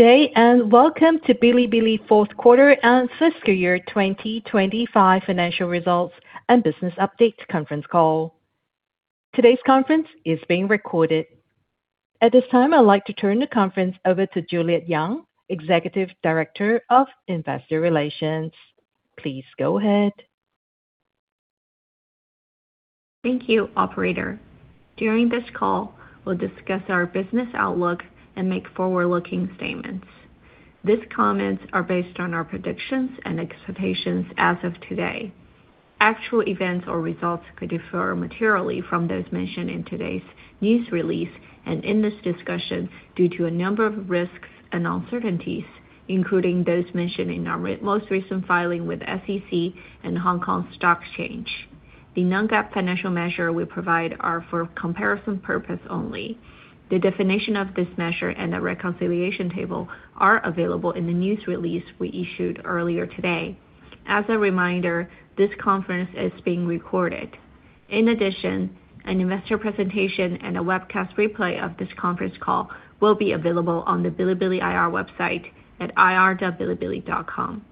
Welcome to Bilibili Fourth Quarter and Fiscal Year 2025 Financial Results and Business Update Conference Call. Today's conference is being recorded. At this time, I'd like to turn the conference over to Juliet Yang, Executive Director of Investor Relations. Please go ahead. Thank you, operator. During this call, we'll discuss our business outlook and make forward-looking statements. These comments are based on our predictions and expectations as of today. Actual events or results could differ materially from those mentioned in today's news release and in this discussion due to a number of risks and uncertainties, including those mentioned in our most recent filing with SEC and Hong Kong Stock Exchange. The non-GAAP financial measure we provide are for comparison purpose only. The definition of this measure and the reconciliation table are available in the news release we issued earlier today. As a reminder, this conference is being recorded. In addition, an investor presentation and a webcast replay of this conference call will be available on the Bilibili IR website at ir.bilibili.com.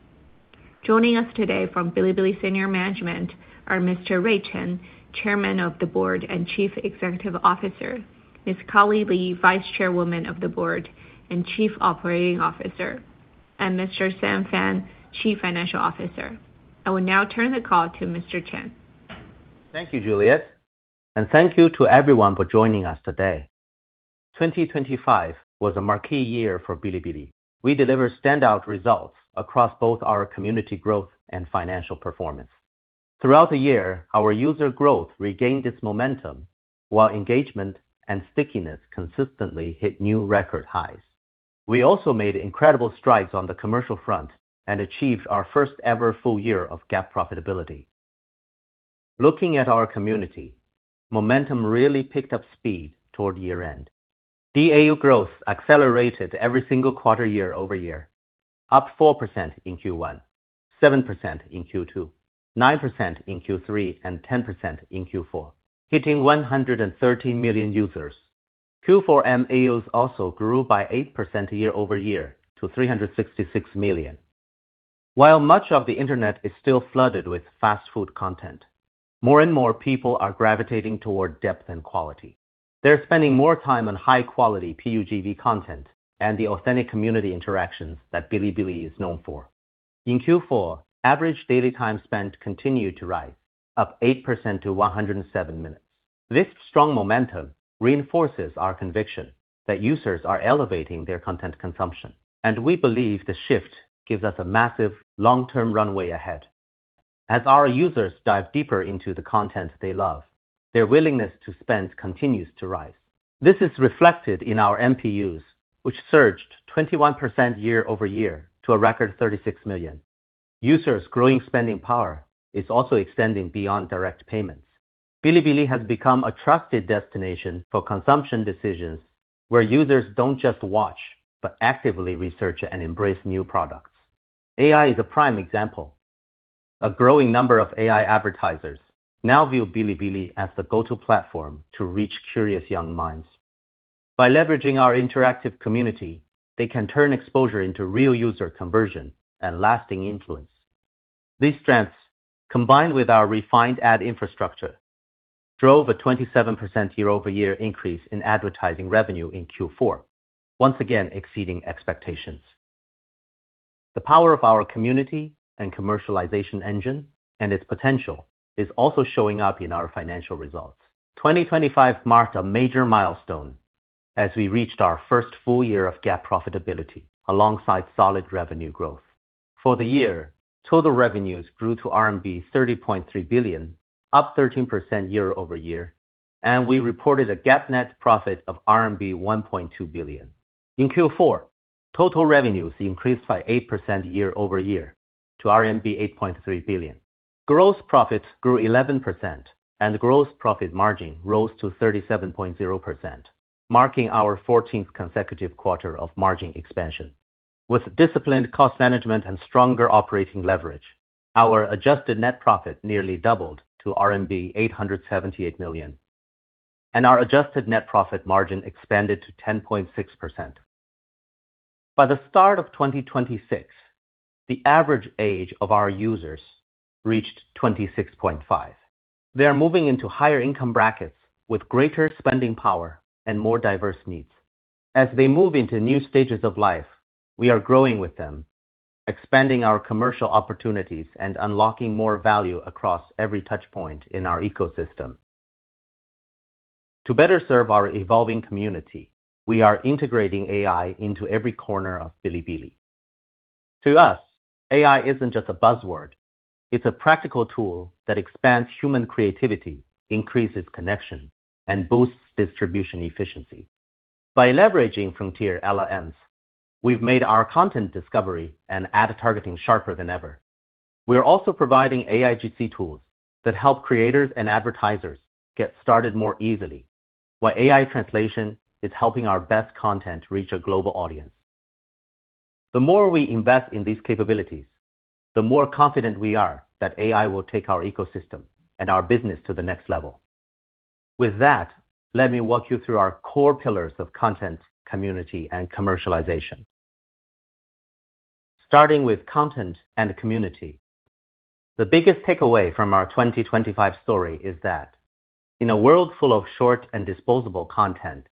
Joining us today from Bilibili senior management are Mr. Rui Chen, Chairman of the Board and Chief Executive Officer, Ms. Ni Li, Vice Chairwoman of the Board and Chief Operating Officer, and Mr. Sam Fan, Chief Financial Officer. I will now turn the call to Mr. Chen. Thank you, Juliet. Thank you to everyone for joining us today. 2025 was a marquee year for Bilibili. We delivered standout results across both our community growth and financial performance. Throughout the year, our user growth regained its momentum while engagement and stickiness consistently hit new record highs. We also made incredible strides on the commercial front and achieved our first ever full year of GAAP profitability. Looking at our community, momentum really picked up speed toward year-end. DAU growth accelerated every single quarter year-over-year, up 4% in Q1, 7% in Q2, 9% in Q3, and 10% in Q4, hitting 113 million users. Q4 MAUs also grew by 8% year-over-year to 366 million. While much of the internet is still flooded with fast food content, more and more people are gravitating toward depth and quality. They're spending more time on high quality PUGV content and the authentic community interactions that Bilibili is known for. In Q4, average daily time spent continued to rise, up 8% to 107 minutes. This strong momentum reinforces our conviction that users are elevating their content consumption. We believe the shift gives us a massive long-term runway ahead. As our users dive deeper into the content they love, their willingness to spend continues to rise. This is reflected in our MPUs, which surged 21% year-over-year to a record 36 million. Users' growing spending power is also extending beyond direct payments. Bilibili has become a trusted destination for consumption decisions where users don't just watch, but actively research and embrace new products. AI is a prime example. A growing number of AI advertisers now view Bilibili as the go-to platform to reach curious young minds. By leveraging our interactive community, they can turn exposure into real user conversion and lasting influence. These strengths, combined with our refined ad infrastructure, drove a 27% year-over-year increase in advertising revenue in Q4, once again exceeding expectations. The power of our community and commercialization engine and its potential is also showing up in our financial results. 2025 marked a major milestone as we reached our first full year of GAAP profitability alongside solid revenue growth. For the year, total revenues grew to RMB 30.3 billion, up 13% year-over-year, and we reported a GAAP net profit of RMB 1.2 billion. In Q4, total revenues increased by 8% year-over-year to RMB 8.3 billion. Gross profits grew 11% and gross profit margin rose to 37.0%, marking our 14th consecutive quarter of margin expansion. With disciplined cost management and stronger operating leverage, our adjusted net profit nearly doubled to RMB 878 million, and our adjusted net profit margin expanded to 10.6%. By the start of 2026, the average age of our users reached 26.5. They are moving into higher income brackets with greater spending power and more diverse needs. As they move into new stages of life, we are growing with them, expanding our commercial opportunities and unlocking more value across every touchpoint in our ecosystem. To better serve our evolving community, we are integrating AI into every corner of Bilibili. To us, AI isn't just a buzzword, it's a practical tool that expands human creativity, increases connection, and boosts distribution efficiency. By leveraging frontier LLMs, we've made our content discovery and ad targeting sharper than ever. We are also providing AIGC tools that help creators and advertisers get started more easily, while AI translation is helping our best content reach a global audience. The more we invest in these capabilities, the more confident we are that AI will take our ecosystem and our business to the next level. With that, let me walk you through our core pillars of content, community, and commercialization. Starting with content and community, the biggest takeaway from our 2025 story is that in a world full of short and disposable content,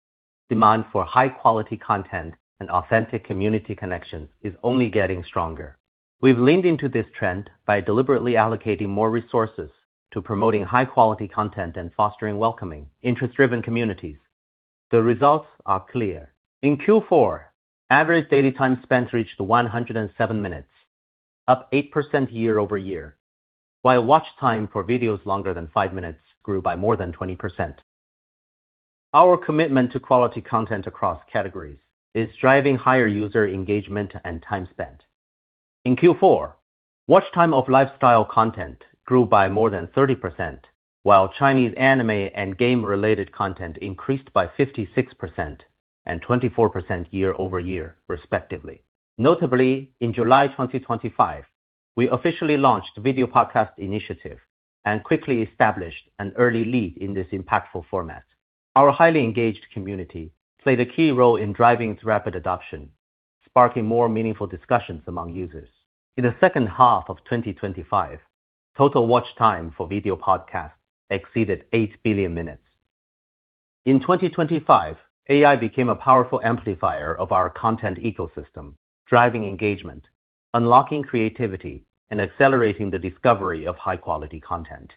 demand for high-quality content and authentic community connections is only getting stronger. We've leaned into this trend by deliberately allocating more resources to promoting high-quality content and fostering welcoming, interest-driven communities. The results are clear. In Q4, average daily time spent reached 107 minutes, up 8% year-over-year, while watch time for videos longer than five minutes grew by more than 20%. Our commitment to quality content across categories is driving higher user engagement and time spent. In Q4, watch time of lifestyle content grew by more than 30%, while Chinese anime and game-related content increased by 56% and 24% year-over-year, respectively. Notably, in July 2025, we officially launched Video Podcast initiative and quickly established an early lead in this impactful format. Our highly engaged community played a key role in driving its rapid adoption, sparking more meaningful discussions among users. In the second half of 2025, total watch time for video podcasts exceeded 8 billion minutes. In 2025, AI became a powerful amplifier of our content ecosystem, driving engagement, unlocking creativity, and accelerating the discovery of high-quality content.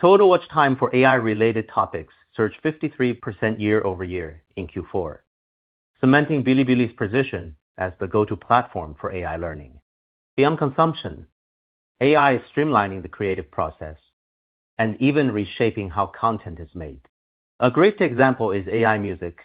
Total watch time for AI-related topics surged 53% year-over-year in Q4, cementing Bilibili's position as the go-to platform for AI learning. Beyond consumption, AI is streamlining the creative process and even reshaping how content is made. A great example is AI music.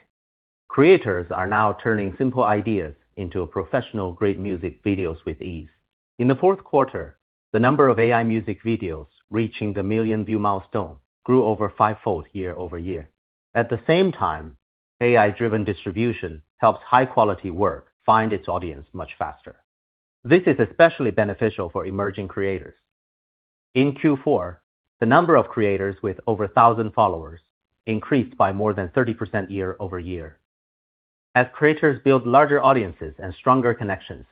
Creators are now turning simple ideas into professional great music videos with ease. In the fourth quarter, the number of AI music videos reaching the million view milestone grew over five-fold year-over-year. At the same time, AI-driven distribution helps high-quality work find its audience much faster. This is especially beneficial for emerging creators. In Q4, the number of creators with over 1,000 followers increased by more than 30% year-over-year. As creators build larger audiences and stronger connections,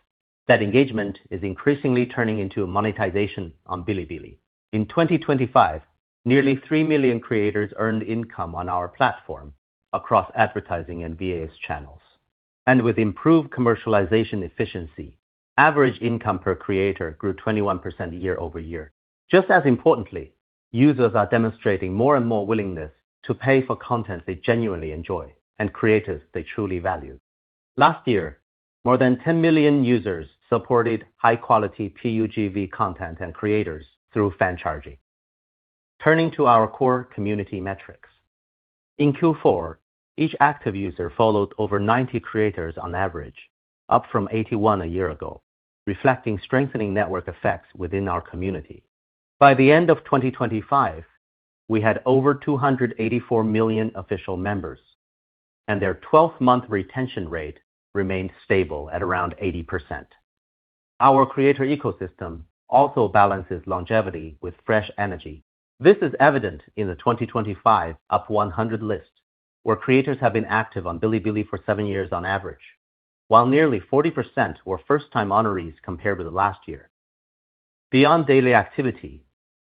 that engagement is increasingly turning into monetization on Bilibili. In 2025, nearly 3 million creators earned income on our platform across advertising and VAS channels. With improved commercialization efficiency, average income per creator grew 21% year-over-year. Just as importantly, users are demonstrating more and more willingness to pay for content they genuinely enjoy and creators they truly value. Last year, more than 10 million users supported high-quality PUGV content and creators through fan charging. Turning to our core community metrics. In Q4, each active user followed over 90 creators on average, up from 81 a year ago, reflecting strengthening network effects within our community. By the end of 2025, we had over 284 million official members, and their 12-month retention rate remained stable at around 80%. Our creator ecosystem also balances longevity with fresh energy. This is evident in the 2025 UP100 List, where creators have been active on Bilibili for seven years on average, while nearly 40% were first-time honorees compared with last year. Beyond daily activity,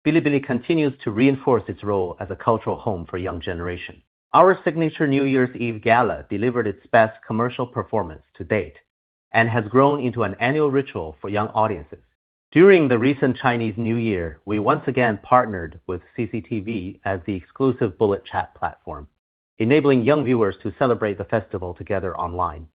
Bilibili continues to reinforce its role as a cultural home for young generation. Our signature New Year's Eve Gala delivered its best commercial performance to date and has grown into an annual ritual for young audiences. During the recent Chinese New Year, we once again partnered with CCTV as the exclusive bullet chat platform, enabling young viewers to celebrate the festival together online.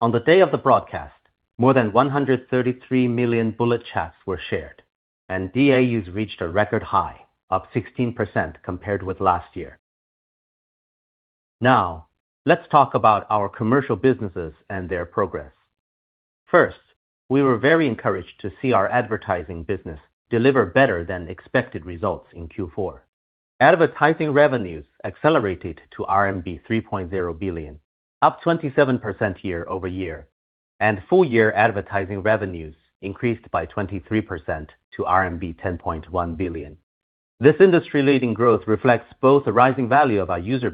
On the day of the broadcast, more than 133 million bullet chats were shared, and DAUs reached a record high, up 16% compared with last year. Now, let's talk about our commercial businesses and their progress. First, we were very encouraged to see our advertising business deliver better than expected results in Q4. Advertising revenues accelerated to RMB 3.0 billion, up 27% year-over-year, and full year advertising revenues increased by 23% to RMB 10.1 billion. This industry-leading growth reflects both the rising value of our user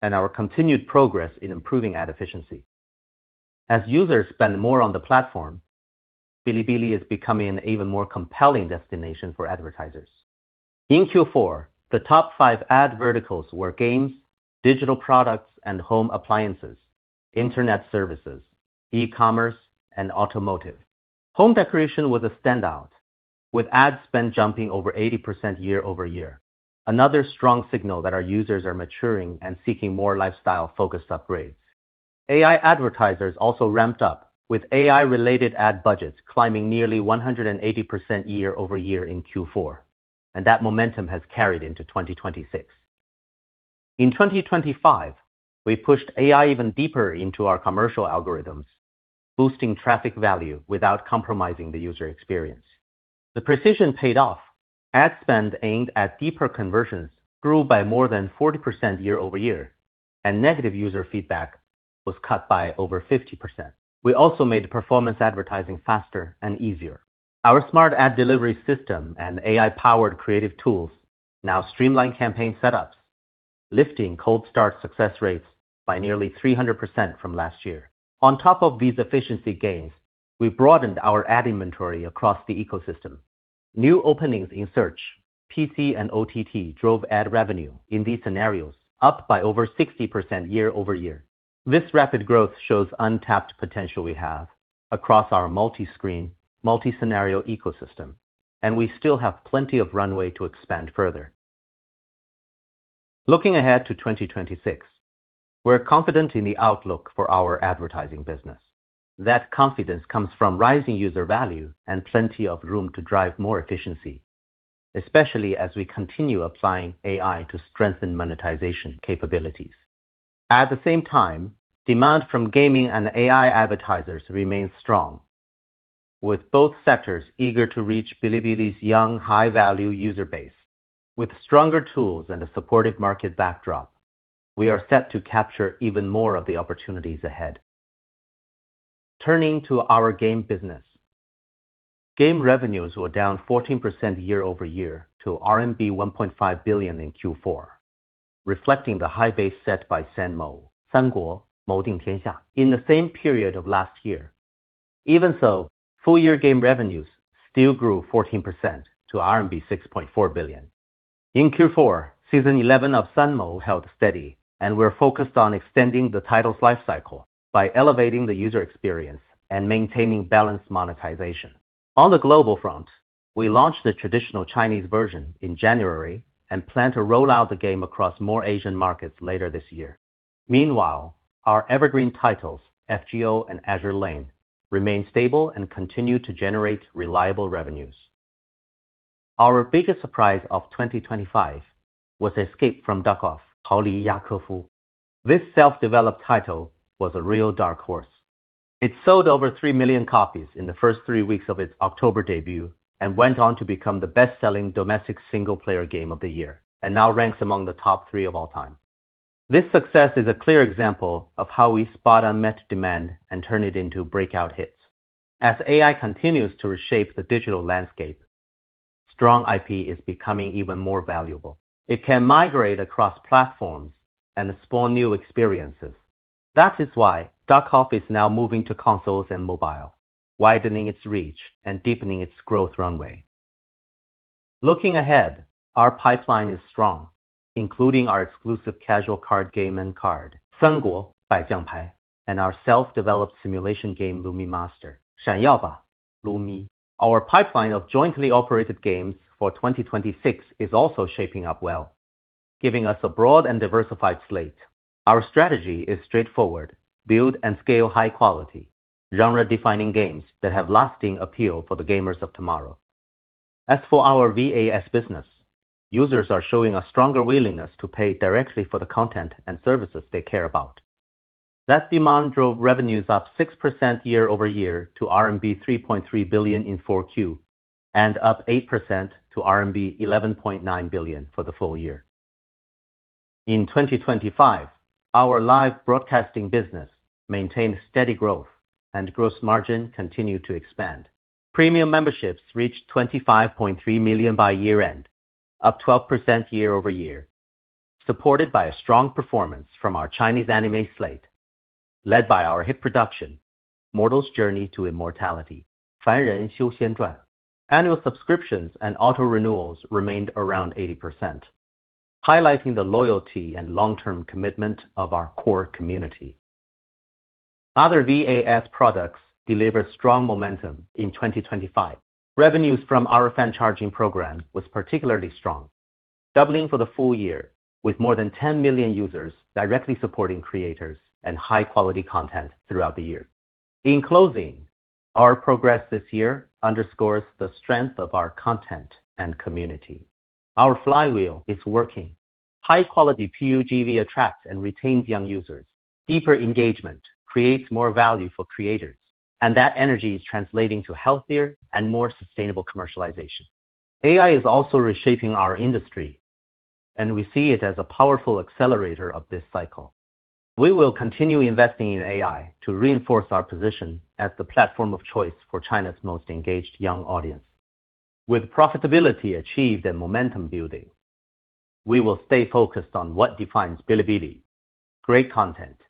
base and our continued progress in improving ad efficiency. As users spend more on the platform, Bilibili is becoming an even more compelling destination for advertisers. In Q4, the top five ad verticals were games, digital products and home appliances, internet services, e-commerce, and automotive. Home decoration was a standout, with ad spend jumping over 80% year-over-year, another strong signal that our users are maturing and seeking more lifestyle-focused upgrades. AI advertisers also ramped up, with AI-related ad budgets climbing nearly 180% year-over-year in Q4. That momentum has carried into 2026. In 2025, we pushed AI even deeper into our commercial algorithms, boosting traffic value without compromising the user experience. The precision paid off. Ad spend aimed at deeper conversions grew by more than 40% year-over-year. Negative user feedback was cut by over 50%. We also made performance advertising faster and easier. Our smart ad delivery system and AI-powered creative tools now streamline campaign setups, lifting cold start success rates by nearly 300% from last year. On top of these efficiency gains, we broadened our ad inventory across the ecosystem. New openings in search, PC, and OTT drove ad revenue in these scenarios up by over 60% year-over-year. This rapid growth shows untapped potential we have across our multiscreen, multiscenario ecosystem, and we still have plenty of runway to expand further. Looking ahead to 2026, we're confident in the outlook for our advertising business. That confidence comes from rising user value and plenty of room to drive more efficiency, especially as we continue applying AI to strengthen monetization capabilities. At the same time, demand from gaming and AI advertisers remains strong, with both sectors eager to reach Bilibili's young high-value user base. With stronger tools and a supportive market backdrop, we are set to capture even more of the opportunities ahead. Turning to our game business. Game revenues were down 14% year-over-year to RMB 1.5 billion in Q4, reflecting the high base set by San Mou, 三国：谋定天下, in the same period of last year. Even so, full-year game revenues still grew 14% to RMB 6.4 billion. In Q4, season 11 of San Mou held steady, and we're focused on extending the title's life cycle by elevating the user experience and maintaining balanced monetization. On the global front, we launched the traditional Chinese version in January and plan to roll out the game across more Asian markets later this year. Meanwhile, our evergreen titles, FGO and Azur Lane, remain stable and continue to generate reliable revenues. Our biggest surprise of 2025 was Escape From Duckov, 逃离雅科 夫. This self-developed title was a real dark horse. It sold over 3 million copies in the first three weeks of its October debut and went on to become the best-selling domestic single-player game of the year and now ranks among the top three of all time. This success is a clear example of how we spot unmet demand and turn it into breakout hits. As AI continues to reshape the digital landscape, strong IP is becoming even more valuable. It can migrate across platforms and spawn new experiences. That is why Duckov is now moving to consoles and mobile, widening its reach and deepening its growth runway. Looking ahead, our pipeline is strong, including our exclusive casual card game NCard, 三国：百将牌, and our self-developed simulation game Lumi Master, 闪耀吧！噜咪. Our pipeline of jointly operated games for 2026 is also shaping up well, giving us a broad and diversified slate. Our strategy is straightforward: build and scale high quality, genre-defining games that have lasting appeal for the gamers of tomorrow. As for our VAS business, users are showing a stronger willingness to pay directly for the content and services they care about. That demand drove revenues up 6% year-over-year to RMB 3.3 billion in 4Q and up 8% to RMB 11.9 billion for the full year. In 2025, our live broadcasting business maintained steady growth and gross margin continued to expand. Premium memberships reached 25.3 million by year-end, up 12% year-over-year, supported by a strong performance from our Chinese anime slate, led by our hit production, A Mortal's Journey to Immortality, 凡人修仙传. Annual subscriptions and auto renewals remained around 80%, highlighting the loyalty and long-term commitment of our core community. Other VAS products delivered strong momentum in 2025. Revenues from our fan charging program was particularly strong, doubling for the full year with more than 10 million users directly supporting creators and high-quality content throughout the year. In closing, our progress this year underscores the strength of our content and community. Our flywheel is working. High-quality PUGV attracts and retains young users. Deeper engagement creates more value for creators. That energy is translating to healthier and more sustainable commercialization. AI is also reshaping our industry. We see it as a powerful accelerator of this cycle. We will continue investing in AI to reinforce our position as the platform of choice for China's most engaged young audience. With profitability achieved and momentum building, we will stay focused on what defines Bilibili, great content,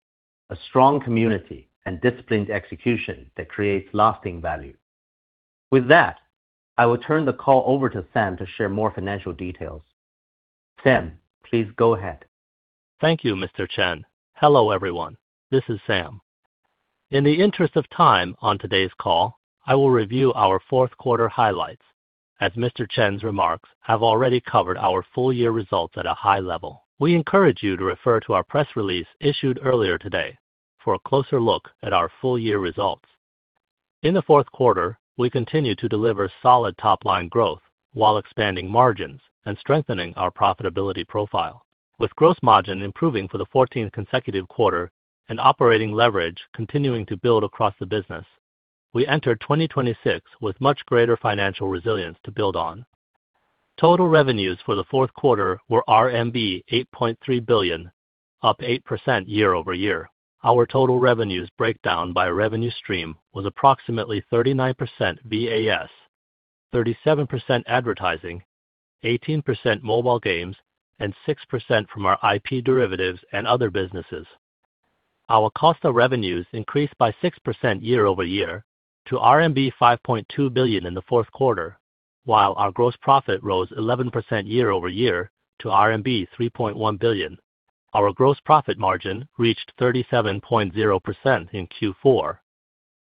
a strong community, and disciplined execution that creates lasting value. With that, I will turn the call over to Sam to share more financial details. Sam, please go ahead. Thank you, Mr. Chen. Hello, everyone. This is Sam. In the interest of time on today's call, I will review our fourth quarter highlights as Mr. Chen's remarks have already covered our full year results at a high level. We encourage you to refer to our press release issued earlier today for a closer look at our full year results. In the fourth quarter, we continued to deliver solid top-line growth while expanding margins and strengthening our profitability profile. With gross margin improving for the 14th consecutive quarter and operating leverage continuing to build across the business, we entered 2026 with much greater financial resilience to build on. Total revenues for the fourth quarter were RMB 8.3 billion, up 8% year-over-year. Our total revenues breakdown by revenue stream was approximately 39% VAS, 37% advertising, 18% mobile games, and 6% from our IP derivatives and other businesses. Our cost of revenues increased by 6% year-over-year to RMB 5.2 billion in the fourth quarter. Our gross profit rose 11% year-over-year to RMB 3.1 billion. Our gross profit margin reached 37.0% in Q4,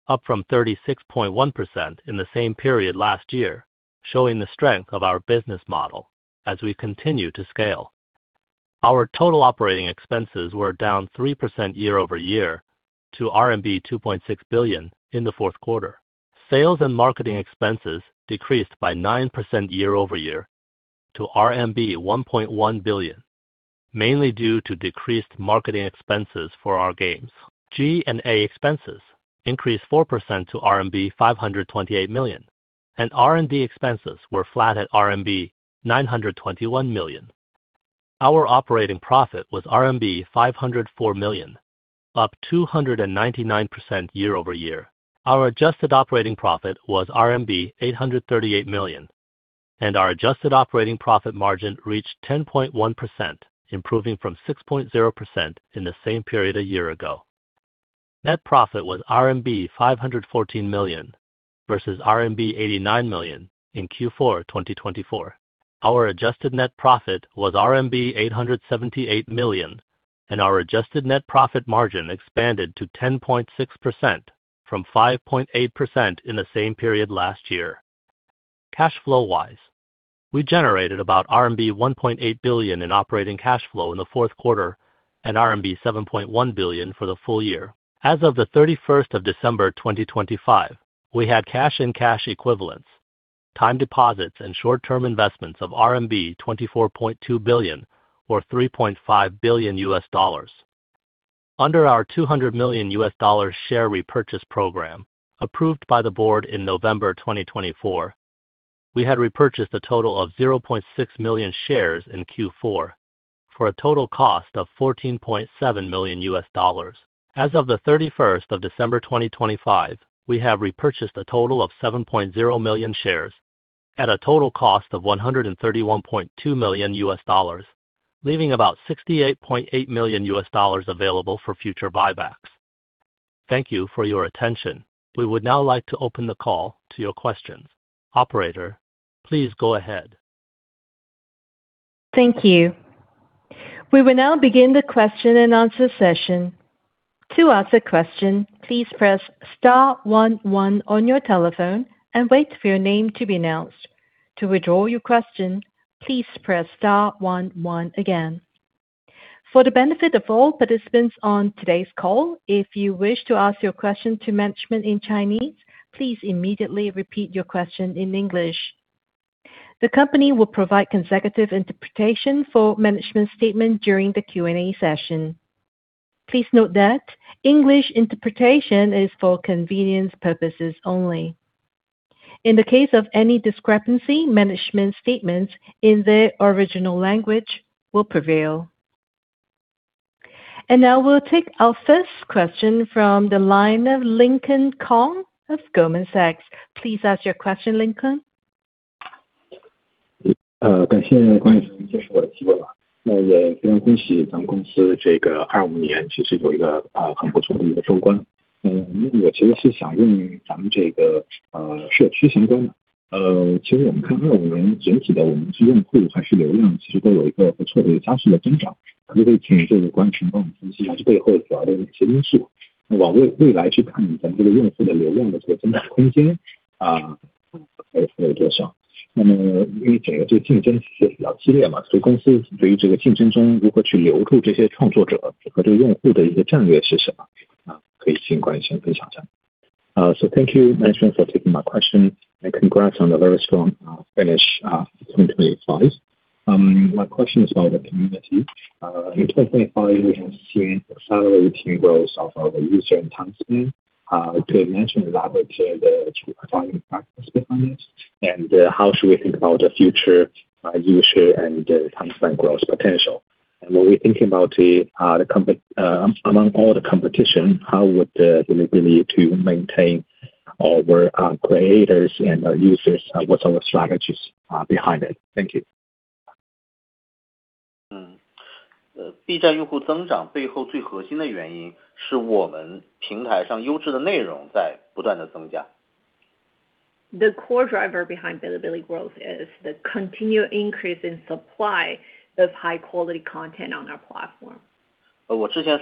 up from 36.1% in the same period last year, showing the strength of our business model as we continue to scale. Our total operating expenses were down 3% year-over-year to RMB 2.6 billion in the fourth quarter. Sales and marketing expenses decreased by 9% year-over-year to RMB 1.1 billion, mainly due to decreased marketing expenses for our games. G&A expenses increased 4% to RMB 528 million. R&D expenses were flat at RMB 921 million. Our operating profit was RMB 504 million, up 299% year-over-year. Our adjusted operating profit was RMB 838 million. Our adjusted operating profit margin reached 10.1%, improving from 6.0% in the same period a year ago. Net profit was RMB 514 million versus RMB 89 million in Q4 2024. Our adjusted net profit was RMB 878 million. Our adjusted net profit margin expanded to 10.6% from 5.8% in the same period last year. Cash flow wise, we generated about RMB 1.8 billion in operating cash flow in the fourth quarter and RMB 7.1 billion for the full year. As of the 31st of December 2025, we had cash and cash equivalents, time deposits and short-term investments of RMB 24.2 billion or $3.5 billion. Under our $200 million share repurchase program approved by the board in November 2024, we had repurchased a total of 0.6 million shares in Q4 for a total cost of $14.7 million. As of the 31st of December 2025, we have repurchased a total of 7.0 million shares at a total cost of $131.2 million, leaving about $68.8 million available for future buybacks. Thank you for your attention. We would now like to open the call to your questions. Operator, please go ahead. Thank you. We will now begin the question and answer session. To ask a question, please press star one one on your telephone and wait for your name to be announced. To withdraw your question, please press star one one again. For the benefit of all participants on today's call, if you wish to ask your question to management in Chinese, please immediately repeat your question in English. The company will provide consecutive interpretation for management statement during the Q&A session. Please note that English interpretation is for convenience purposes only. In the case of any discrepancy, management statements in their original language will prevail. Now we'll take our first question from the line of Lincoln Kong of Goldman Sachs. Please ask your question, Lincoln. Thank you management for taking my question and congrats on a very strong finish, 2025. My question is about the community. In 2025, we have seen accelerating growth of our user and time spent, could you mention about the underlying factors behind this, and how should we think about the future user and time spent growth potential? When we think about the among all the competition, how would the Bilibili to maintain our creators and our users? What's our strategies behind it? Thank you. The core driver behind Bilibili growth is the continued increase in supply of high-quality content on our platform. Speak Chinese ]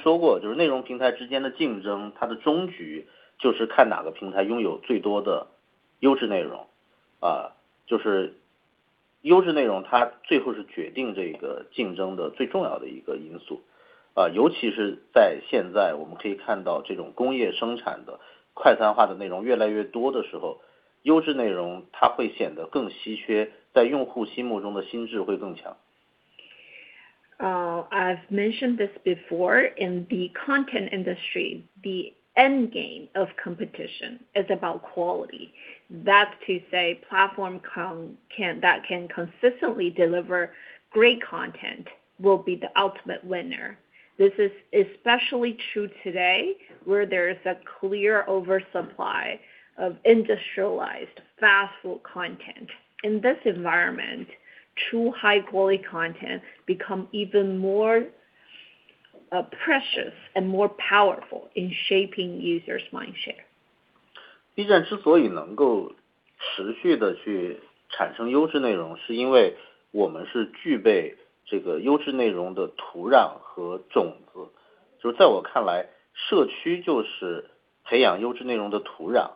I've mentioned this before, in the content industry, the end game of competition is about quality. That's to say platform that can consistently deliver great content will be the ultimate winner. This is especially true today, where there is a clear oversupply of industrialized fast food content. In this environment, true high quality content become even more precious and more powerful in shaping users' mind share. B 站之所以能够持续地去产生优质内 容, 是因为我们是具备这个优质内容的土壤和种 子. 就在我看 来, 社区就是培养优质内容的土 壤.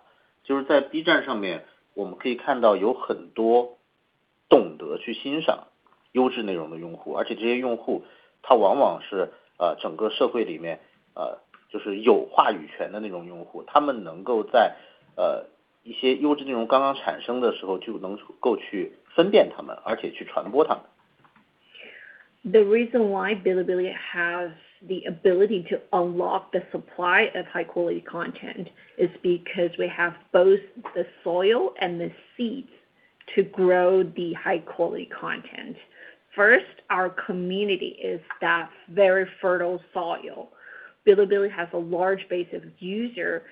就是在 B 站上面我们可以看到有很多懂得去欣赏优质内容的用 户, 而且这些用户他往往 是, 整个社会里 面, 就是有话语权的那种用 户, 他们能够 在, 一些优质内容刚刚产生的时 候, 就能够去分辨它 们, 而且去传播它 们. The reason why Bilibili has the ability to unlock the supply of high quality content is because we have both the soil and the seeds to grow the high quality content. First, our community is that very fertile soil. Bilibili has a large base of user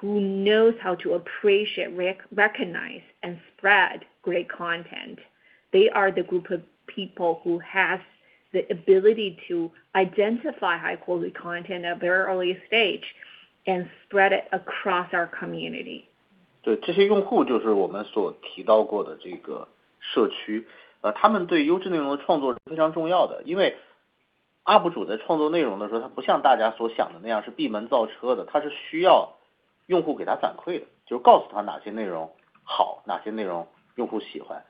who knows how to appreciate, recognize, and spread great content. They are the group of people who has the ability to identify high quality content at very early stage and spread it across our community. 对，这些用户就是我们所提到过的这个社 区， 呃， 他们对优质内容的创作是非常重要的。因为 UP 主在创作内容的时 候， 他不像大家所想的那样是闭门造车 的， 他是需要用户给他反馈 的， 就是告诉他哪些内容 好， 哪些内容用户喜欢。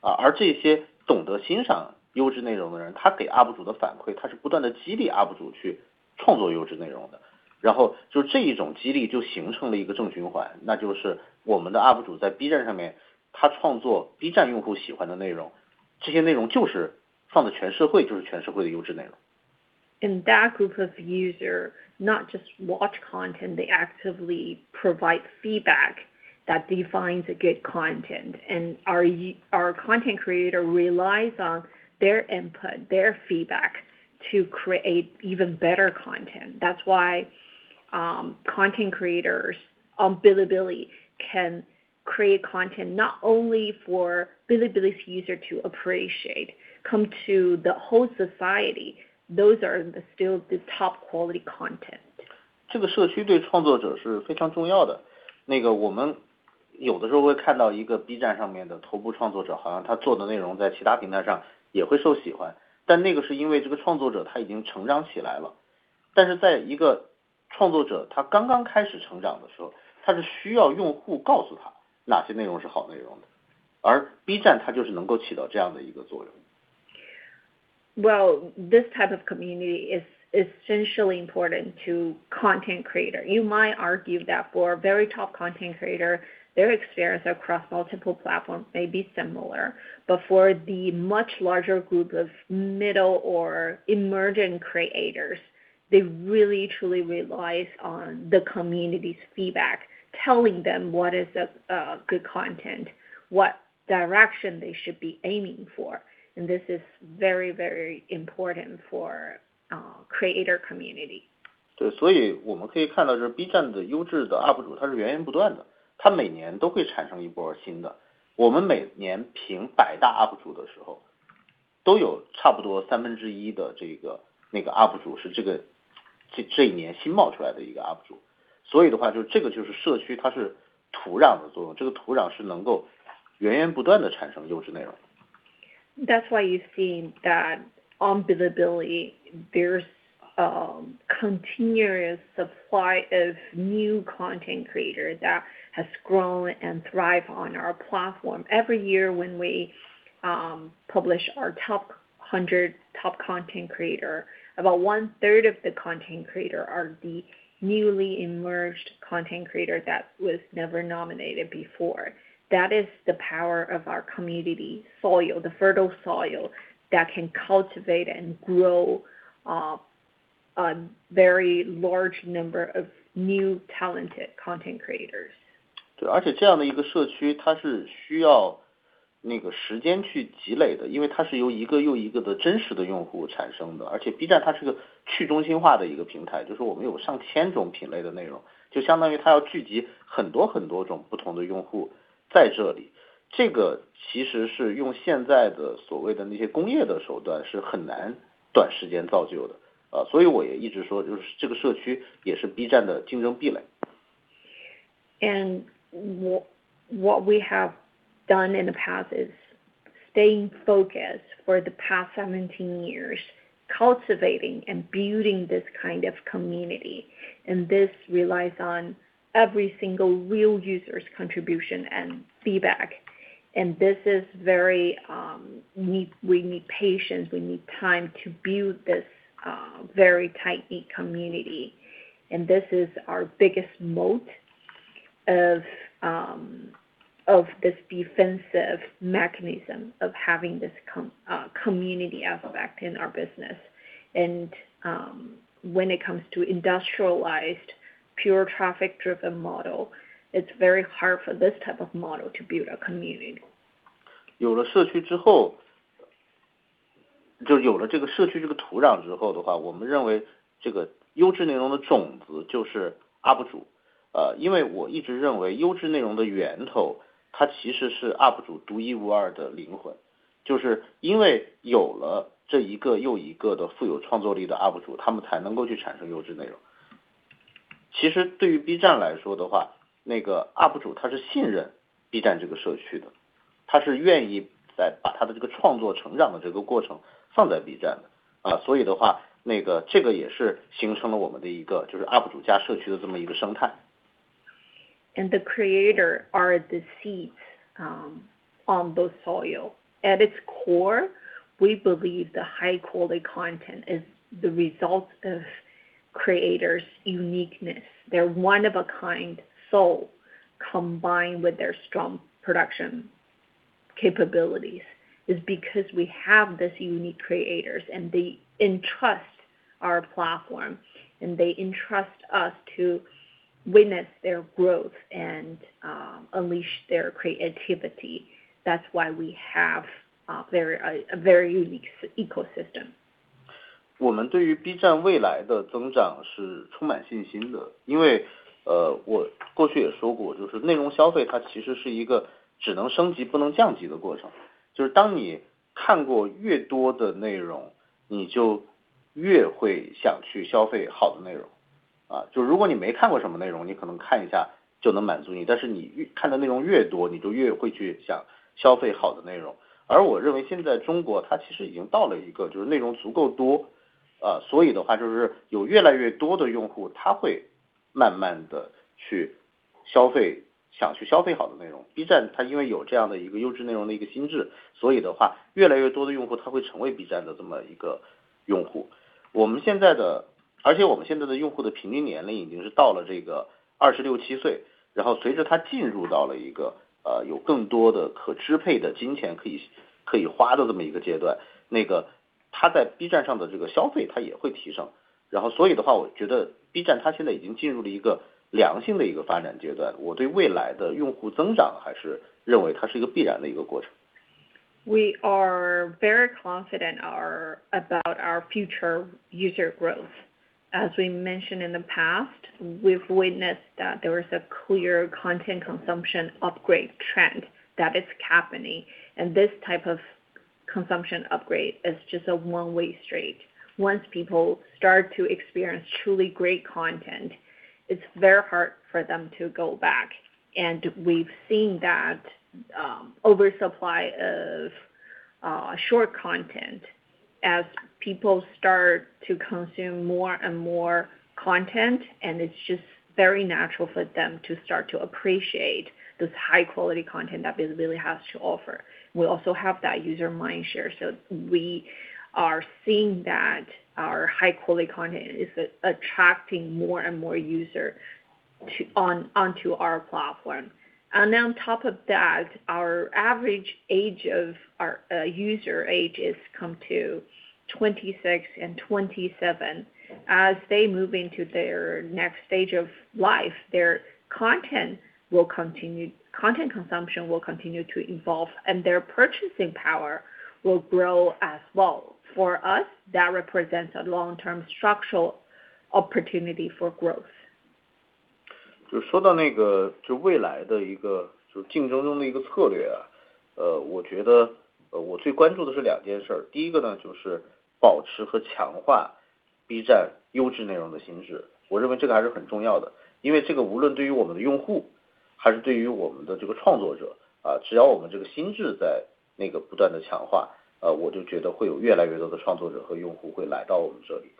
啊， 而这些懂得欣赏优质内容的 人， 他给 UP 主的反 馈， 他是不断地激励 UP 主去创作优质内容的。然后就这一种激励就形成了一个正循 环， 那就是我们的 UP 主在 B 站上 面， 他创作 B 站用户喜欢的内 容， 这些内容就是放在全社 会， 就是全社会的优质内容。In that group of user not just watch content, they actively provide feedback that defines a good content. Our content creator relies on their input, their feedback to create even better content. That's why content creators on Bilibili can create content not only for Bilibili's user to appreciate come to the whole society, those are the still the top quality content. 这个社区对创作者是非常重要 的. 那个我们有的时候会看到一个 B 站上面的头部创作 者， 好像他做的内容在其他平台上也会受喜 欢， 但那个是因为这个创作者他已经成长起来 了. 但是在一个创作者他刚刚开始成长的时 候， 他是需要用户告诉他哪些内容是好内容 的， 而 B 站它就是能够起到这样的一个作 用. Well, this type of community is essentially important to content creator. You might argue that for a very top content creator, their experience across multiple platforms may be similar, but for the much larger group of middle or emerging creators, they really, truly relies on the community's feedback, telling them what is a good content, what direction they should be aiming for. This is very, very important for creator community. 我们可以看到是 B站 的优质的 UP主 他是源源不断 的， 他每年都会产生一波新的。我们每年评 百大UP主 的 时候， 都有差不多三分之一的这个那个 UP主 是这一年新冒出来的一个 UP主。就这个就是社区它是土壤的 作用， 这个土壤是能够源源不断地产生优质内容。That's why you've seen that on Bilibili, there's continuous supply of new content creator that has grown and thrive on our platform. Every year when we publish our top 100 content creator, about one third of the content creator are the newly emerged content creator that was never nominated before. That is the power of our community soil, the fertile soil that can cultivate and grow a very large number of new talented content creators. 对， 而且这样的一个社 区， 它是需要那个时间去积累 的， 因为它是由一个又一个的真实的用户产生 的， 而且 B 站它是个去中心化的一个平 台， 就是我们有上千种品类的内 容， 就相当于它要聚集很多很多种不同的用户在这里。这个其实是用现在的所谓的那些工业的手段是很难短时间造就的。啊， 所以我也一直说就是这个社区也是 B 站的竞争壁垒。What we have done in the past is staying focused for the past 17 years, cultivating and building this kind of community, and this relies on every single real user's contribution and feedback. This is very, we need patience. We need time to build this very tight knit community. This is our biggest moat of this defensive mechanism of having this community effect in our business. When it comes to industrialized, pure traffic-driven model, it's very hard for this type of model to build a community. 有了社区之 后， 就有了这个社区这个土壤之后的 话， 我们认为这个优质内容的种子就是 UP 主。呃， 因为我一直认为优质内容的源 头， 它其实是 UP 主独一无二的灵 魂， 就是因为有了这一个又一个的富有创作力的 UP 主， 他们才能够去产生优质内容。其实对于 B 站来说的 话， 那个 UP 主他是信任 B 站这个社区 的， 他是愿意来把他的这个创作承让的这个过程放在 B 站。啊， 所以的 话， 那个这个也是形成了我们的一个就是 UP 主加社区的这么一个生态。The creator are the seeds on the soil. At its core, we believe the high quality content is the result of creators' uniqueness. Their one-of-a-kind soul combined with their strong production capabilities is because we have this unique creators and they entrust our platform and they entrust us to witness their growth and unleash their creativity. That's why we have a very unique ecosystem. 我们对于 B 站未来的增长是充满信心的。我过去也说 过， 就是内容消费它其实是一个只能升级不能降级的过程。就是当你看过越多的内 容， 你就越会想去消费好的内容。如果你没看过什么内 容， 你可能看一下就能满足 你， 但是你看的内容越 多， 你就越会去想消费好的内容。B 站它因为有这样的一个优质内容的一个心 智， 所以的 话， 越来越多的用户他会成为 B 站的这么一个用户。我们现在的用户的平均年龄已经是到了这个二十六七 岁， 随着他进入到了一个有更多的可支配的金钱可以花的这么一个阶 段， 他在 B 站上的这个消费它也会提升。我觉得 B 站它现在已经进入了一个良性的一个发展阶 段， 我对未来的用户增长还是认为它是一个必然的一个过程。We are very confident about our future user growth. As we mentioned in the past, we've witnessed that there is a clear content consumption upgrade trend that is happening, and this type of consumption upgrade is just a one way street. Once people start to experience truly great content, it's very hard for them to go back. We've seen that oversupply of short content as people start to consume more and more content, and it's just very natural for them to start to appreciate this high quality content that Bilibili has to offer. We also have that user mindshare, so we are seeing that our high quality content is attracting more and more user onto our platform. On top of that, our average age of our user age is come to 26 and 27. As they move into their next stage of life, their content consumption will continue to evolve, and their purchasing power will grow as well. For us, that represents a long-term structural opportunity for growth. 就说到那个就未来的一个就是竞争中的一个策 略， 我觉 得， 我最关注的是2件 事儿， 第一个 呢， 就是保持和强化 B站 优质内容的心 智， 我认为这个还是很重要 的， 因为这个无论对于我们的用 户， 还是对于我们的这个创作 者， 只要我们这个心智在那个不断地强 化， 我就觉得会有越来越多的创作者和用户会来到我们这里。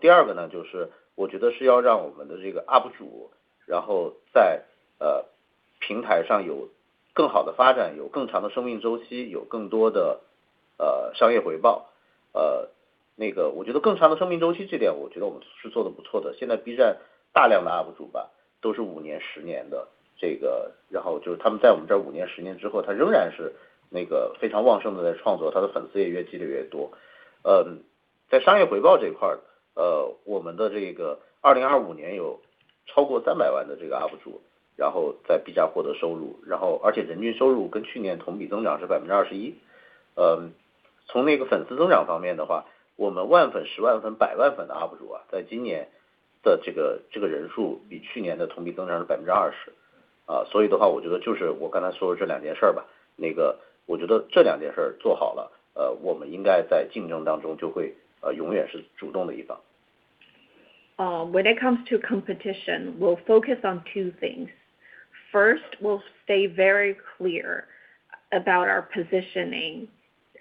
第二个 呢， 就是我觉得是要让我们的这个 UP主， 在平台上有更好的发 展， 有更长的生命周 期， 有更多的商业回报。那个我觉得更长的生命周期这点我觉得我们是做得不错的。现在 B站 大量的 UP主 吧， 都是5年10年 的， 这 个， 就是他们在我们这5 年、10 年之 后， 他仍然是那个非常旺盛地在创 作， 他的粉丝也越积越多。在商业回报这一 块， 我们的这个2025年有超过3 million 的这个 UP主， 在 B站 获得收 入， 人均收入跟去年同比增长是 21%。粉丝增长方面的 话， 我们 10,000 粉、100,000 粉、1 million 粉的 UP主， 在今年的这个人数比去年的同比增长是 20%。我觉得就是我刚才说的这2件事儿 吧， 那个我觉得这2件事儿做好 了， 我们应该在竞争当中就 会， 永远是主动的一方。When it comes to competition, we'll focus on two things. First, we'll stay very clear about our positioning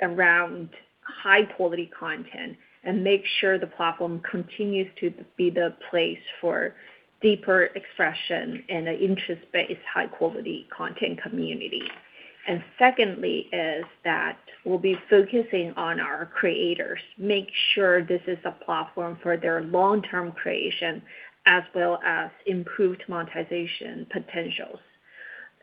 around high quality content and make sure the platform continues to be the place for deeper expression and an interest based high quality content community. Secondly is that we'll be focusing on our creators, make sure this is a platform for their long-term creation, as well as improved monetization potentials.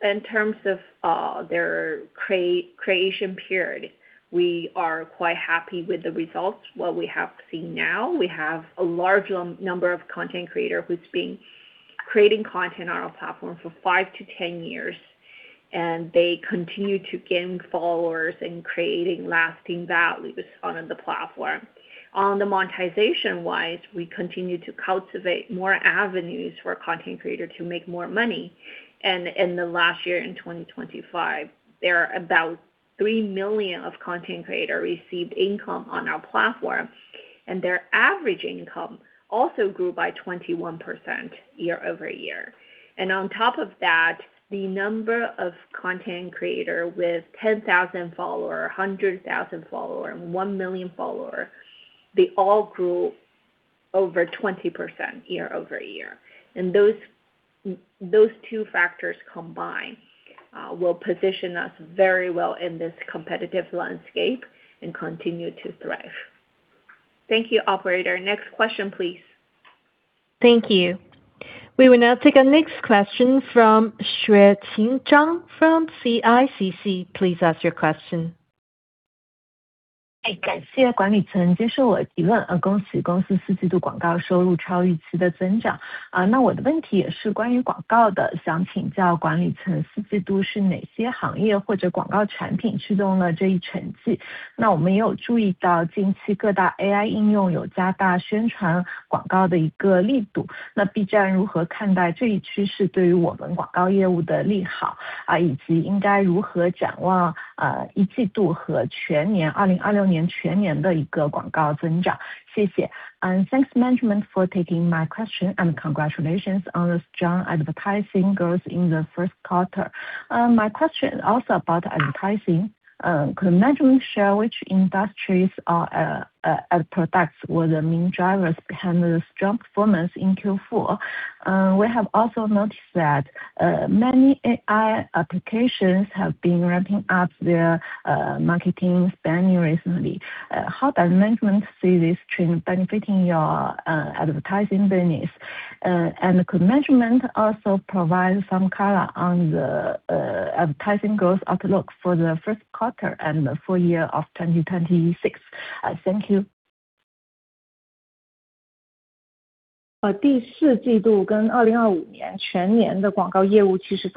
In terms of their creation period, we are quite happy with the results. What we have seen now, we have a large number of content creator who's been creating content on our platform for five to 10 years, and they continue to gain followers and creating lasting value on the platform. On the monetization-wise, we continue to cultivate more avenues for content creator to make more money. In the last year, in 2025, there are about 3 million of content creator received income on our platform, and their average income also grew by 21% year-over-year. On top of that, the number of content creator with 10,000 follower, 100,000 follower, and 1 million follower, they all grew over 20% year-over-year. Those two factors combined will position us very well in this competitive landscape and continue to thrive. Thank you. Operator. Next question please. Thank you. We will now take our next question from Xueqing Zhang from CICC. Please ask your question. 感谢管理层接受我提问。呃。恭喜公司四季度广告收入超预期的增长。啊。那我的问题也是关于广告 的， 想请教管理层四季度是哪些行业或者广告产品驱动了这一成 绩？ 那我们也有注意到近期各大 AI 应用有加大宣传广告的一个力 度， 那 B 站如何看待这一趋势对于我们广告业务的利 好， 啊， 以及应该如何展 望， 呃， 一季度和全 年， 二零二六年全年的一个广告增 长？ 谢谢。And thanks management for taking my question and congratulations on the strong advertising growth in the first quarter. My question is also about advertising. Could management share which industries are as products were the main drivers behind this strong performance in Q4? We have also noticed that many AI applications have been ramping up their marketing spending recently. How does management see this trend benefiting your advertising business? Could management also provide some color on the advertising growth outlook for the first quarter and the full year of 2026?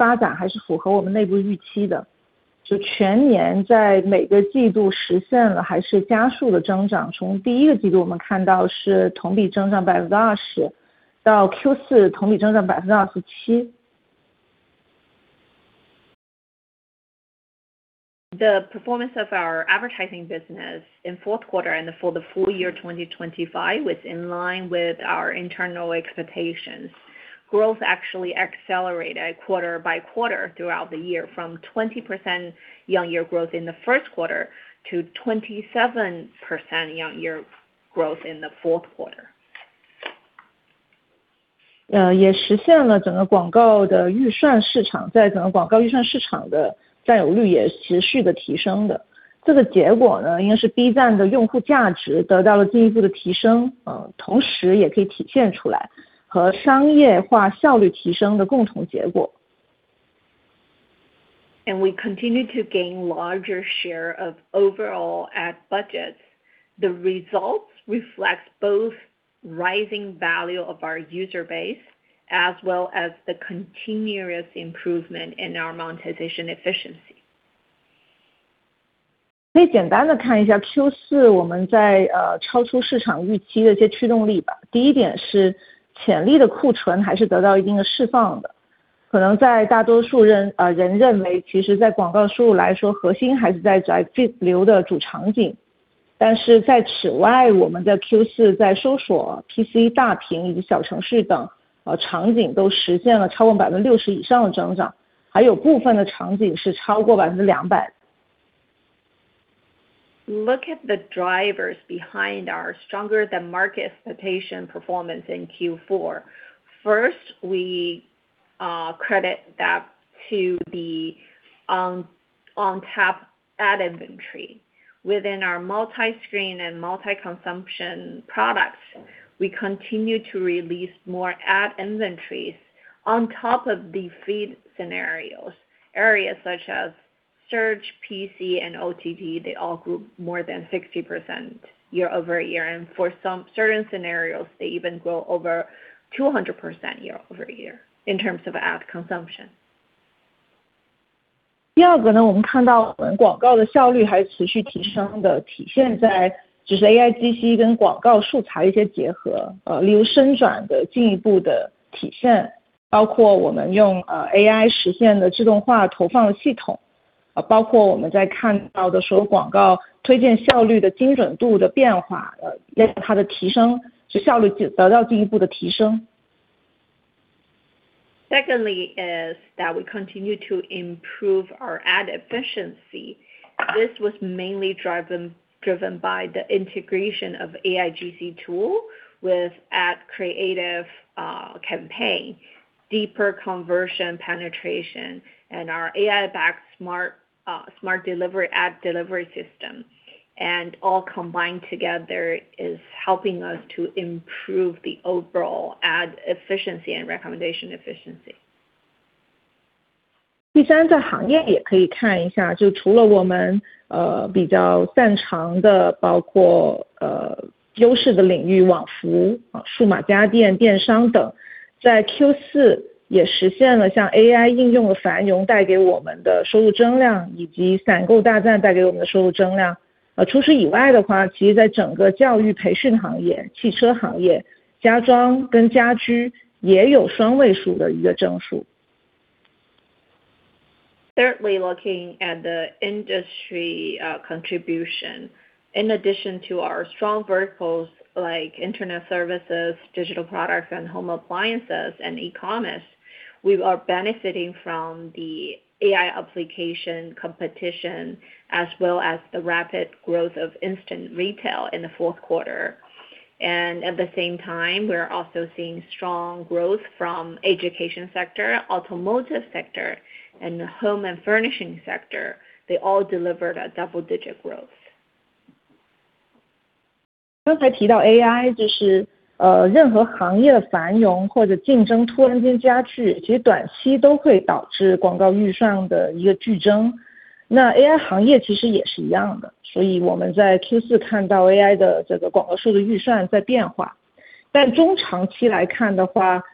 Thank you. The performance of our advertising business in fourth quarter and for the full year 2025 was in line with our internal expectations. Growth actually accelerated quarter-by-quarter throughout the year, from 20% year-on-year growth in the first quarter to 27% year-on-year growth in the fourth quarter. 呃， 也实现了整个广告的预算市 场， 在整个广告预算市场的占有率也持续的提升的。这个结果 呢， 应该是 B 站的用户价值得到了进一步的提 升， 呃， 同时也可以体现出来和商业化效率提升的共同结果。We continue to gain larger share of overall ad budgets. The results reflect both rising value of our user base as well as the continuous improvement in our monetization efficiency. 可以简单地看一下 Q4 我们在超出市场预期的一些驱动力吧。第一点是潜力的库存还是得到一定的释放的。可能在大多数人认为其实在广告收入来 说， 核心还是在 feed 流的主场景。在此 外， 我们在 Q4 在搜索、PC、大屏以及小程序等场景都实现了超过 60% 以上的增 长， 还有部分的场景是超过 200%。Look at the drivers behind our stronger-than-market expectation performance in Q4. First, we credit that to the on tap ad inventory. Within our multiscreen and multi-consumption products, we continue to release more ad inventories on top of the feed scenarios. Areas such as search, PC, and OTT, they all grew more than 60% year-over-year, and for some certain scenarios, they even grow over 200% year-over-year in terms of ad consumption. 第二个 呢， 我们看到我们广告的效率还持续提升 的， 体现在只是 AI 机器跟广告素材一些结 合， 呃， 例如生转的进一步的体 现， 包括我们 用， 呃 ，AI 实现的自动化投放的系 统， 呃， 包括我们在看到的说广告推荐效率的精准度的变 化， 呃， 它的提 升， 就效率得到进一步的提升。Secondly is that we continue to improve our ad efficiency. This was mainly driven by the integration of AIGC tool with ad creative campaign, deeper conversion penetration, and our AI-backed smart delivery ad delivery system. All combined together is helping us to improve the overall ad efficiency and recommendation efficiency. 第 三， 在行业也可以看一 下， 就除了我们呃比较擅长的包括呃优势的领 域， 网服、数码家电、电商 等， 在 Q 四也实现了像 AI 应用的繁荣带给我们的收入增 量， 以及闪购大战带给我们的收入增量。呃除此以外的 话， 其实在整个教育培训行业、汽车行业、家装跟家居也有双位数的一个增速。Certainly, looking at the industry contribution. In addition to our strong verticals like internet services, digital products and home appliances and e-commerce, we are benefiting from the AI application competition as well as the rapid growth of instant retail in the fourth quarter. At the same time, we are also seeing strong growth from education sector, automotive sector and home and furnishing sector. They all delivered a double-digit growth. 刚才提到 AI， 就是任何行业的繁荣或者竞争突然间加 剧， 其实短期都会导致广告预算的一个剧增。AI 行业其实也是一样的。我们在 Q4 看到 AI 的这个广告岁的预算在变化。中长期来看的 话， 就 AI 这个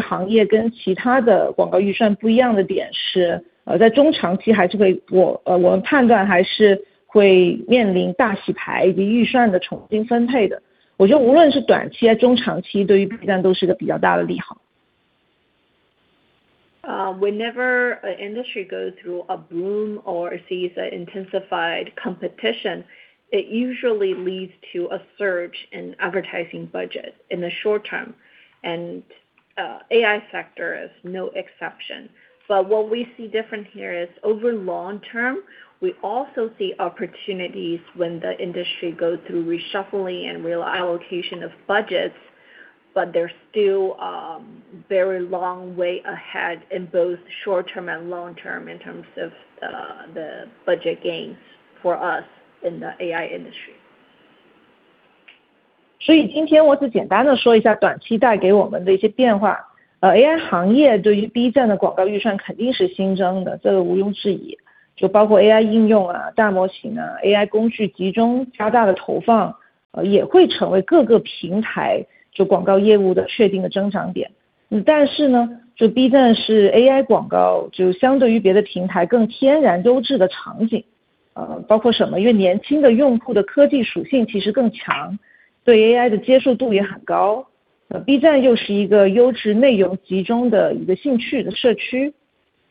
行业跟其他的广告预算不一样的点 是， 在中长期还是 会， 我们判断还是会面临大洗牌以及预算的重新分配的。我觉得无论是短期还是中长 期， 对于 Bilibili 都是一个比较大的利好。Whenever a industry goes through a boom or sees intensified competition, it usually leads to a surge in advertising budget in the short term. AI sector is no exception. What we see different here is over long term, we also see opportunities when the industry goes through reshuffling and reallocation of budgets, but there's still a very long way ahead in both short term and long term in terms of the budget gains for us in the AI industry. 所以今天我只简单地说一下短期带给我们的一些变化。呃 AI 行业对于 B 站的广告预算肯定是新增 的， 这个毋庸置疑。就包括 AI 应用 啊， 大模型啊 ，AI 工具集中加大了投 放， 也会成为各个平台就广告业务的确定的增长点。嗯但是 呢， 这 B 站是 AI 广告就相对于别的平台更天然优质的场 景， 呃包括什 么？ 因为年轻的用户的科技属性其实更 强， 对 AI 的接受度也很高。呃 B 站又是一个优质内容集中的一个兴趣的社区。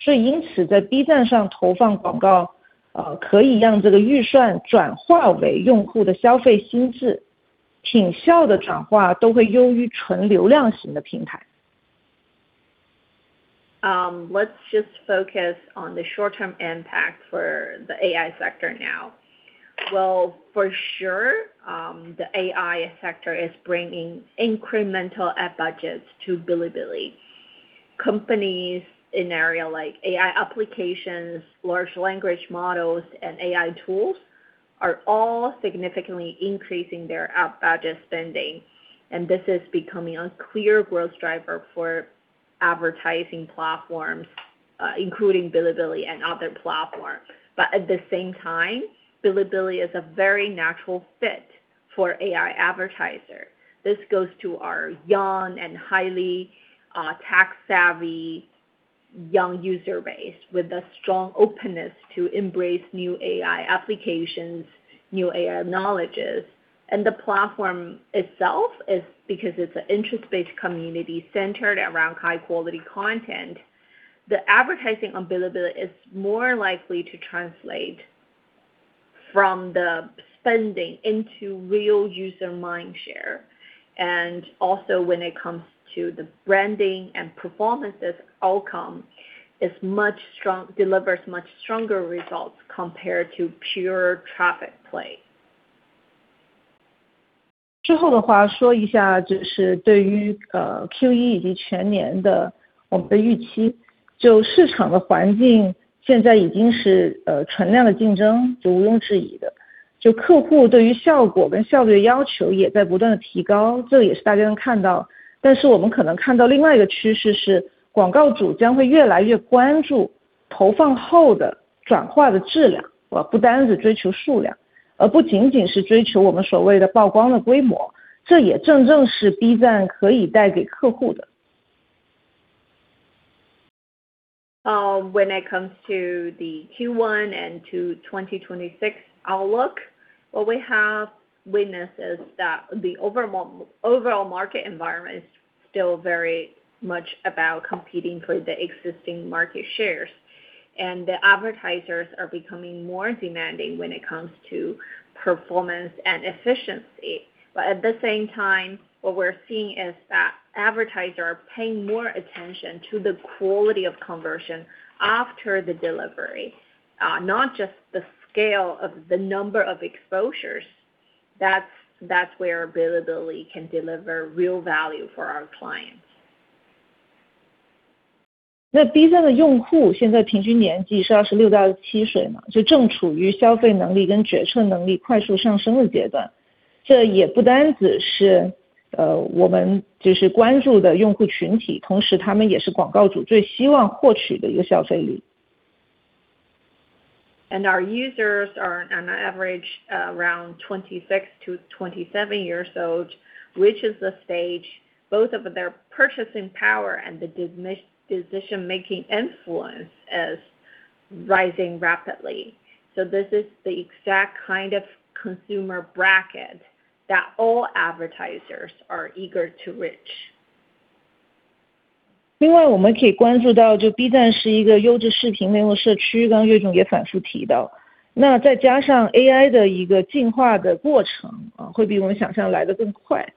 所以因此在 B 站上投放广 告， 呃可以让这个预算转化为用户的消费心 智， 挺效的转化都会优于纯流量型的平台。Let's just focus on the short term impact for the AI sector now. Well, for sure, the AI sector is bringing incremental ad budgets to Bilibili. Companies in area like AI applications, large language models, and AI tools are all significantly increasing their ad budget spending. This is becoming a clear growth driver for advertising platforms, including Bilibili and other platforms. At the same time, Bilibili is a very natural fit for AI advertisers. This goes to our young and highly tech savvy young user base with a strong openness to embrace new AI applications, new AI knowledges, and the platform itself is because it's an interest-based community centered around high quality content. The advertising on Bilibili is more likely to translate from the spending into real user mindshare, and also when it comes to the branding and performances outcome delivers much stronger results compared to pure traffic play. 之后的话说一 下， 就是对于 Q1 以及全年的我们的预期。市场的环境现在已经是存量的竞争就毋庸置疑的。客户对于效果跟效率的要求也在不断地提 高， 这也是大家能看到。我们可能看到另外一个趋势 是， 广告主将会越来越关注投放后的转化的质 量， 而不单单是追求数 量， 而不仅仅是追求我们所谓的曝光的规 模， 这也正正是 B站 可以带给客户的。When it comes to the Q1 and 2026 outlook, what we have witnessed is that the overall market environment is still very much about competing for the existing market shares. The advertisers are becoming more demanding when it comes to performance and efficiency. At the same time, what we're seeing is that advertisers are paying more attention to the quality of conversion after the delivery, not just the scale of the number of exposures. That's where Bilibili can deliver real value for our clients. B站 的用户现在平均年纪是 26-27 岁 嘛， 就正处于消费能力跟决策能力快速上升的阶 段， 这也不单只是我们就是关注的用户群 体， 同时他们也是广告主最希望获取的一个消费力。Our users are on average around 26 to 27 years old, which is the stage both of their purchasing power and the decision making influence is rising rapidly. This is the exact kind of consumer bracket that all advertisers are eager to reach. 我们可以关注 到， 就 B站 是一个优质视频内容社 区， 刚刚月总也反复提到。再加上 AI 的一个进化的过 程， 会比我们想象来得更快。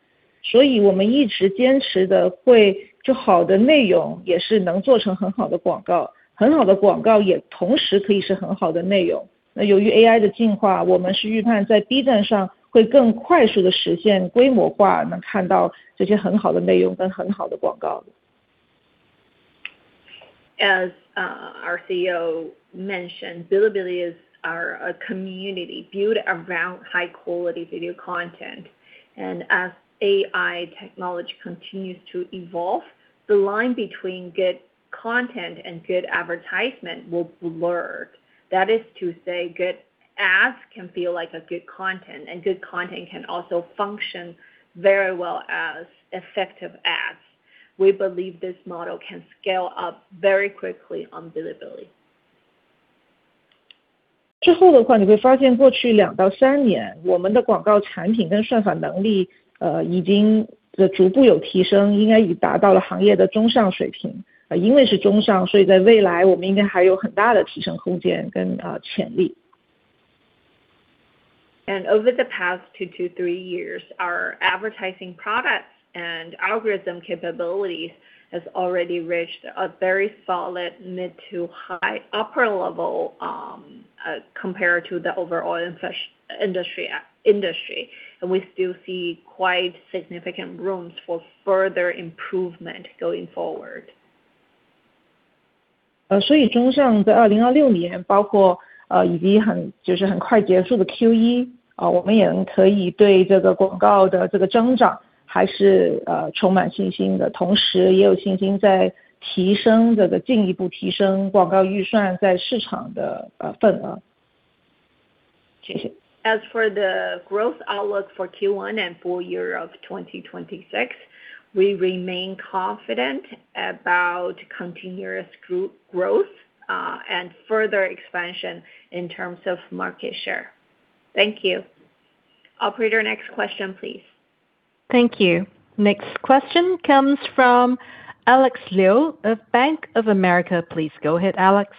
我们一直坚持的 会， 就好的内容也是能做成很好的广 告， 很好的广告也同时可以是很好的内容。由于 AI 的进 化， 我们是预判在 B站 上会更快速地实现规模 化， 能看到这些很好的内容跟很好的广告。As our CEO mentioned, Bilibili is our community built around high quality video content. As AI technology continues to evolve, the line between good content and good advertisement will blurred. That is to say good ads can feel like a good content, and good content can also function very well as effective ads. We believe this model can scale up very quickly on Bilibili. 之后的 话， 你会发现过去两到三 年， 我们的广告产品跟算法能 力， 呃， 已经逐步有提 升， 应该已达到了行业的中上水平。因为是中 上， 所以在未来我们应该还有很大的提升空间 跟， 呃， 潜力。Over the past two to three years, our advertising products and algorithm capability has already reached a very solid mid to high upper level, compared to the overall industry, and we still see quite significant rooms for further improvement going forward. 呃， 所以中 上， 在2026 年， 包 括， 呃， 已经 很， 就是很快结束的 Q1， 啊我们也可以对这个广告的这个增长还 是， 呃， 充满信心 的， 同时也有信心在提升这个进一步提升广告预算在市场 的， 呃， 份额。谢谢。As for the growth outlook for Q1 and full year of 2026, we remain confident about continuous growth and further expansion in terms of market share. Thank you. Operator, next question please. Thank you. Next question comes from Alex Liu of Bank of America. Please go ahead, Alex.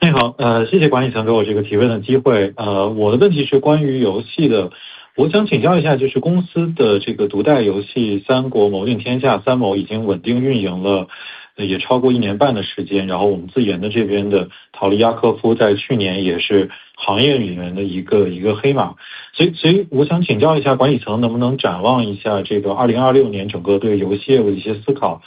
你 好， 谢谢管理层给我这个提问的机会。我的问题是关于游戏的。我想请教一 下， 就是公司的这个独代游戏 三国：谋定天下， San Mou 已经稳定运营了也超过 one and a half years 的时 间， 然后我们自研的这边的逃离塔科夫在去年也是行业里面的一个黑马。所以我想请教一下管理层能不能展望一下这个2026年整个对游戏有一些思考。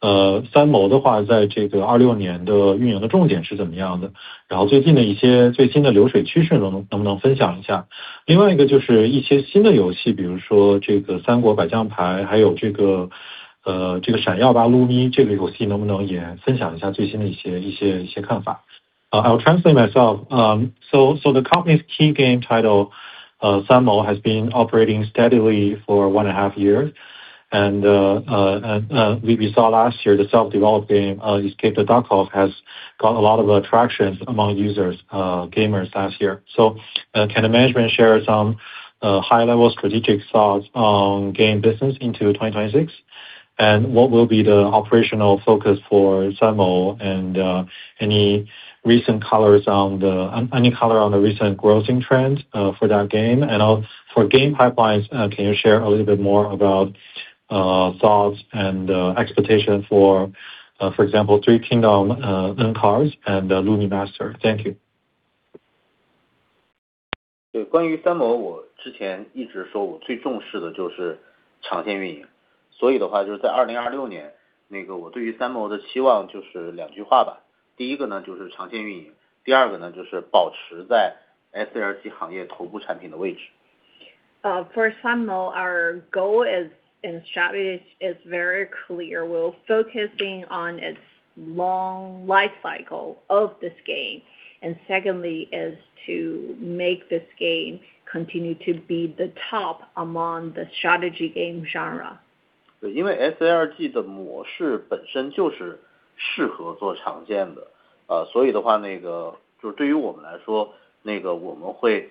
San Mou 的话在这个2026年的运营的重点是怎么样 的， 然后最近的一些最新的流水趋势能不能分享一下。另外一个就是一些新的游 戏， 比如说这个 三国：百将牌， 还有这 个， 这个 闪耀吧！噜咪 这个游戏能不能也分享一下最近的一些看法。I'll translate myself. So the company's key game title, San Mou, has been operating steadily for one and a half years. We saw last year the self-developed game, Escape the Duckov, has got a lot of attractions among users, gamers last year. Can the management share some high level strategic thoughts on game business into 2026? What will be the operational focus for San Mou and any color on the recent growth trend for that game? Also for game pipelines, can you share a little bit more about thoughts and expectation for example, Three Kingdom, NCard and Lumi Master. Thank you. 对， 关于三 谋， 我之前一直说我最重视的就是长线运 营， 所以的话就是在2026 年， 那个我对于三谋的期望就是两句话吧。第一个呢就是长线运 营， 第二个呢就是保持在 SLG 行业头部产品的位置。For San Mou, our goal is in strategy is very clear. We're focusing on its long life cycle of this game, secondly is to make this game continue to be the top among the strategy game genre. SLG 的模式本身就是适合做长线的。那个就对于我们来 说， 那个我们会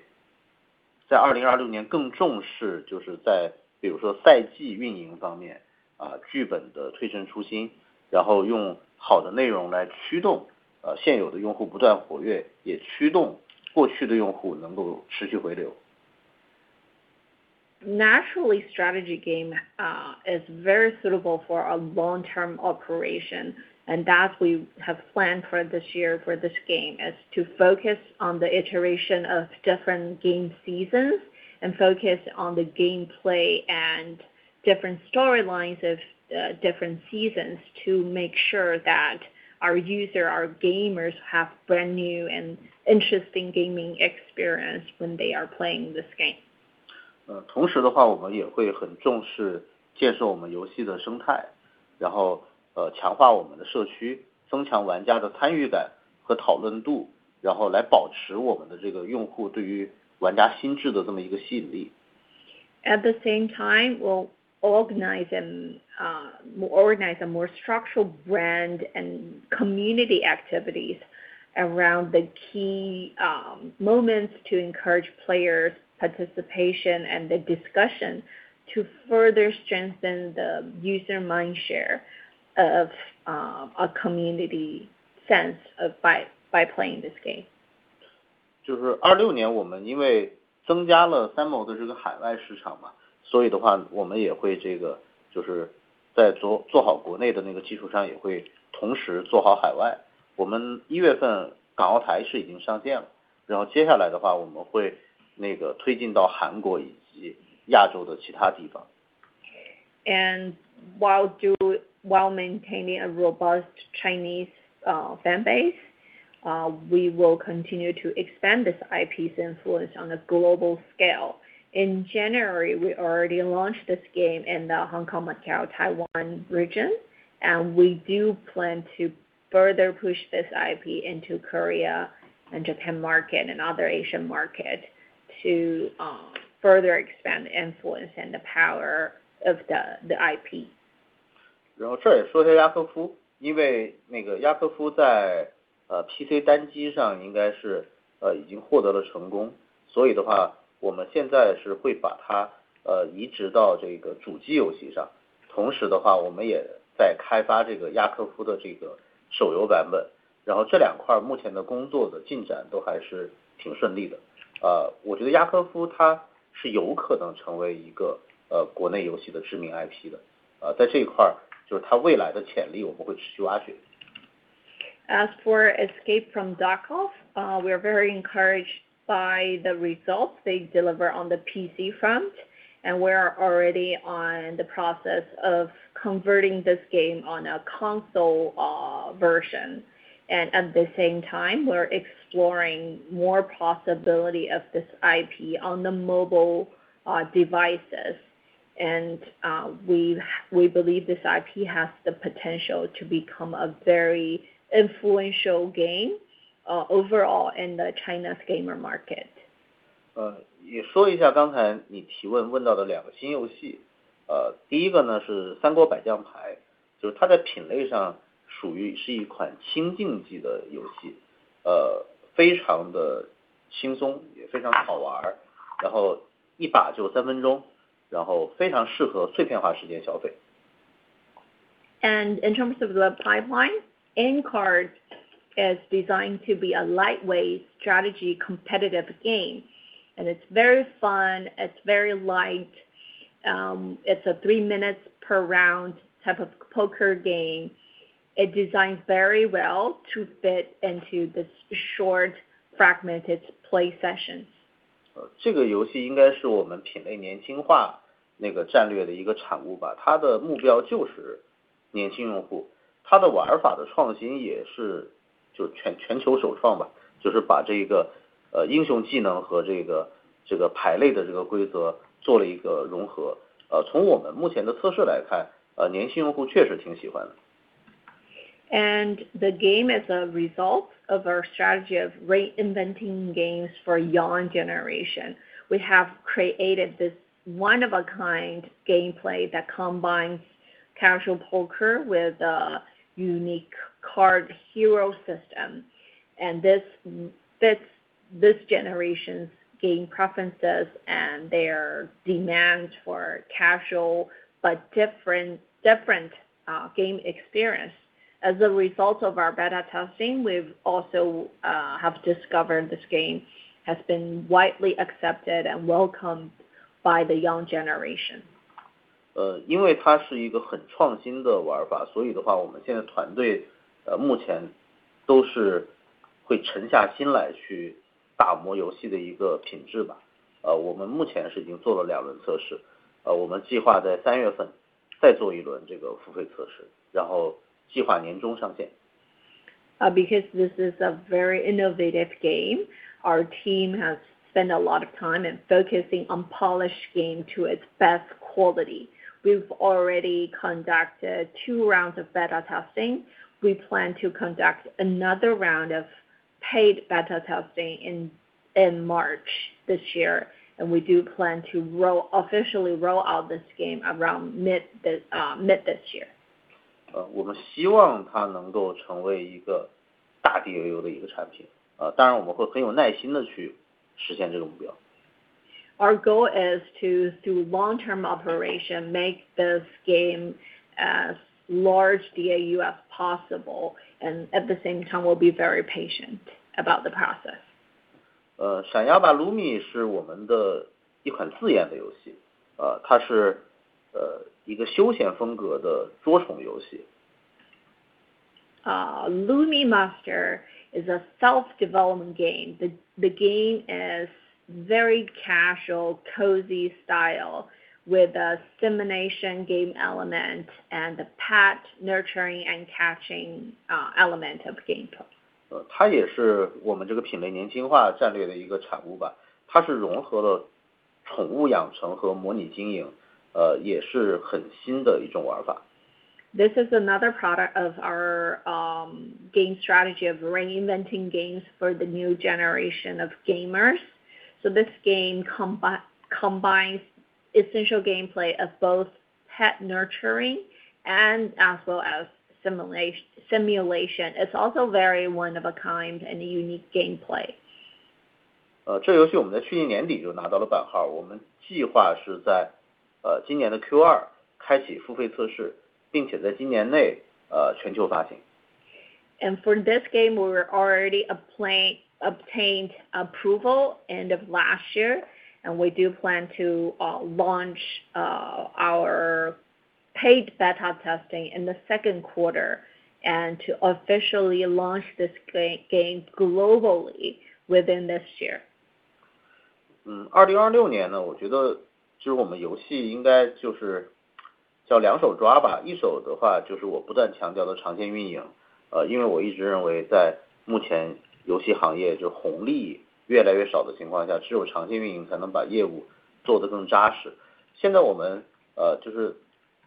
在2026年更重视就是在比如说赛季运营方 面， 剧本的推陈出 新， 然后用好的内容来驱 动， 现有的用户不断活 跃， 也驱动过去的用户能够持续回流。Naturally, strategy game is very suitable for a long-term operation and that we have planned for this year for this game is to focus on the iteration of different game seasons and focus on the gameplay and different storylines of the different seasons to make sure that our user, our gamers have brand-new and interesting gaming experience when they are playing this game. 同时的 话， 我们也会很重视建设我们游戏的生 态， 然后强化我们的社 区， 增强玩家的参与感和讨论 度， 然后来保持我们的这个用户对于玩家心智的这么一个吸引力。At the same time, we'll organize a more structural brand and community activities around the key moments to encourage players participation and the discussion to further strengthen the user mind share of a community sense of by playing this game. 2026年我们因为增加了 San Mou 的海外市 场. 我们也会在做好国内的基础 上， 也会同时做好海 外. 我们 January 港澳台是已经上线 了， 接下来我们会推进到韩国以及亚洲的其他地 方. While maintaining a robust Chinese fan base, we will continue to expand this IP's influence on a global scale. In January, we already launched this game in the Hong Kong, Macau, Taiwan region. We do plan to further push this IP into Korea and Japan market and other Asian market to further expand the influence and the power of the IP. 然后这儿也说下雅科 夫， 因为那个雅科夫在呃 PC 单机上应该是呃已经获得了成 功， 所以的话我们现在是会把它呃移植到这个主机游戏上。同时的话我们也在开发这个雅科夫的这个手游版 本， 然后这两块目前的工作的进展都还是挺顺利的。呃我觉得雅科夫它是有可能成为一个呃国内游戏的知名 IP 的， 啊在这一块就是它未来的潜 力， 我们会持续挖掘。As for Escape from Duckov, we are very encouraged by the results they deliver on the PC front. we are already on the process of converting this game on a console version. At the same time, we're exploring more possibility of this IP on the mobile devices. we believe this IP has the potential to become a very influential game overall in the China's gamer market. 呃你说一下刚才你提问问到的两个新游 戏， 呃第一个呢是三国百将 牌， 就是它在品类上属于是一款轻竞技的游 戏， 呃非常的轻 松， 也非常好 玩， 然后一把就三分 钟， 然后非常适合碎片化时间消费。In terms of the pipeline, NCard is designed to be a lightweight strategy competitive game. It's very fun, it's very light. It's a three minutes per round type of poker game. It designs very well to fit into this short, fragmented play sessions. 这个游戏应该是我们品类年轻化那个战略的一个产物 吧, 它的目标就是年轻 用户, 它的玩法的创新也是就全球首创 吧, 就是把这个英雄技能和这个牌类的这个规则做了一个 融合. 从我们目前的测试 来看, 年轻用户确实挺喜欢 的. The game is a result of our strategy of reinventing games for young generation. We have created this one of a kind gameplay that combines casual poker with a unique card hero system. This fits this generation's gaming preferences and their demands for casual but different game experience. As a result of our beta testing, we've also have discovered this game has been widely accepted and welcomed by the young generation. 它是1个很创新的玩 法， 我们现在团队目前都是会沉下心来去打磨游戏的1个品质吧。我们目前是已经做了2轮测试。我们计划在3月份再做1轮这个付费测 试， 计划年中上线。Because this is a very innovative game, our team has spent a lot of time in focusing on polish game to its best quality. We've already conducted two rounds of beta testing. We plan to conduct another round of paid beta testing in March this year. We do plan to officially roll out this game around mid this year. 我们希望它能够成为一个大 DAU 的一个产 品， 当然我们会很有耐心地去实现这个目标。Our goal is to through long-term operation make this game as large DAU as possible and at the same time we'll be very patient about the process. 闪耀吧！噜咪 是我们的一个自研的游 戏， 它是一个休闲风格的多宠游戏。Lumi Master is a self-developed game. The game is very casual cozy style with a simulation game element and the pet nurturing and catching element of gameplay. 它也是我们这个品类年轻化战略的一个产物 吧， 它是融合了宠物养成和模拟经 营， 也是很新的一种玩法。This is another product of our game strategy of reinventing games for the new generation of gamers. This game combines essential gameplay of both pet nurturing and as well as simulation. It's also very one of a kind and unique gameplay. 呃， 这个游戏我们在去年年底就拿到了版 号， 我们计划是在 呃， 今年的 Q2 开启付费测 试， 并且在今年内 呃， 全球发行。For this game, we're already obtained approval end of last year and we do plan to launch our paid beta testing in the second quarter and to officially launch this game globally within this year. 嗯 ，2026 年 呢， 我觉得就是我们游戏应该就是叫两手抓 吧， 一手的话就是我不断强调的长期运 营， 呃， 因为我一直认为在目前游戏行业就红利越来越少的情况 下， 只有长期运营才能把业务做得更扎实。现在我们 呃， 就是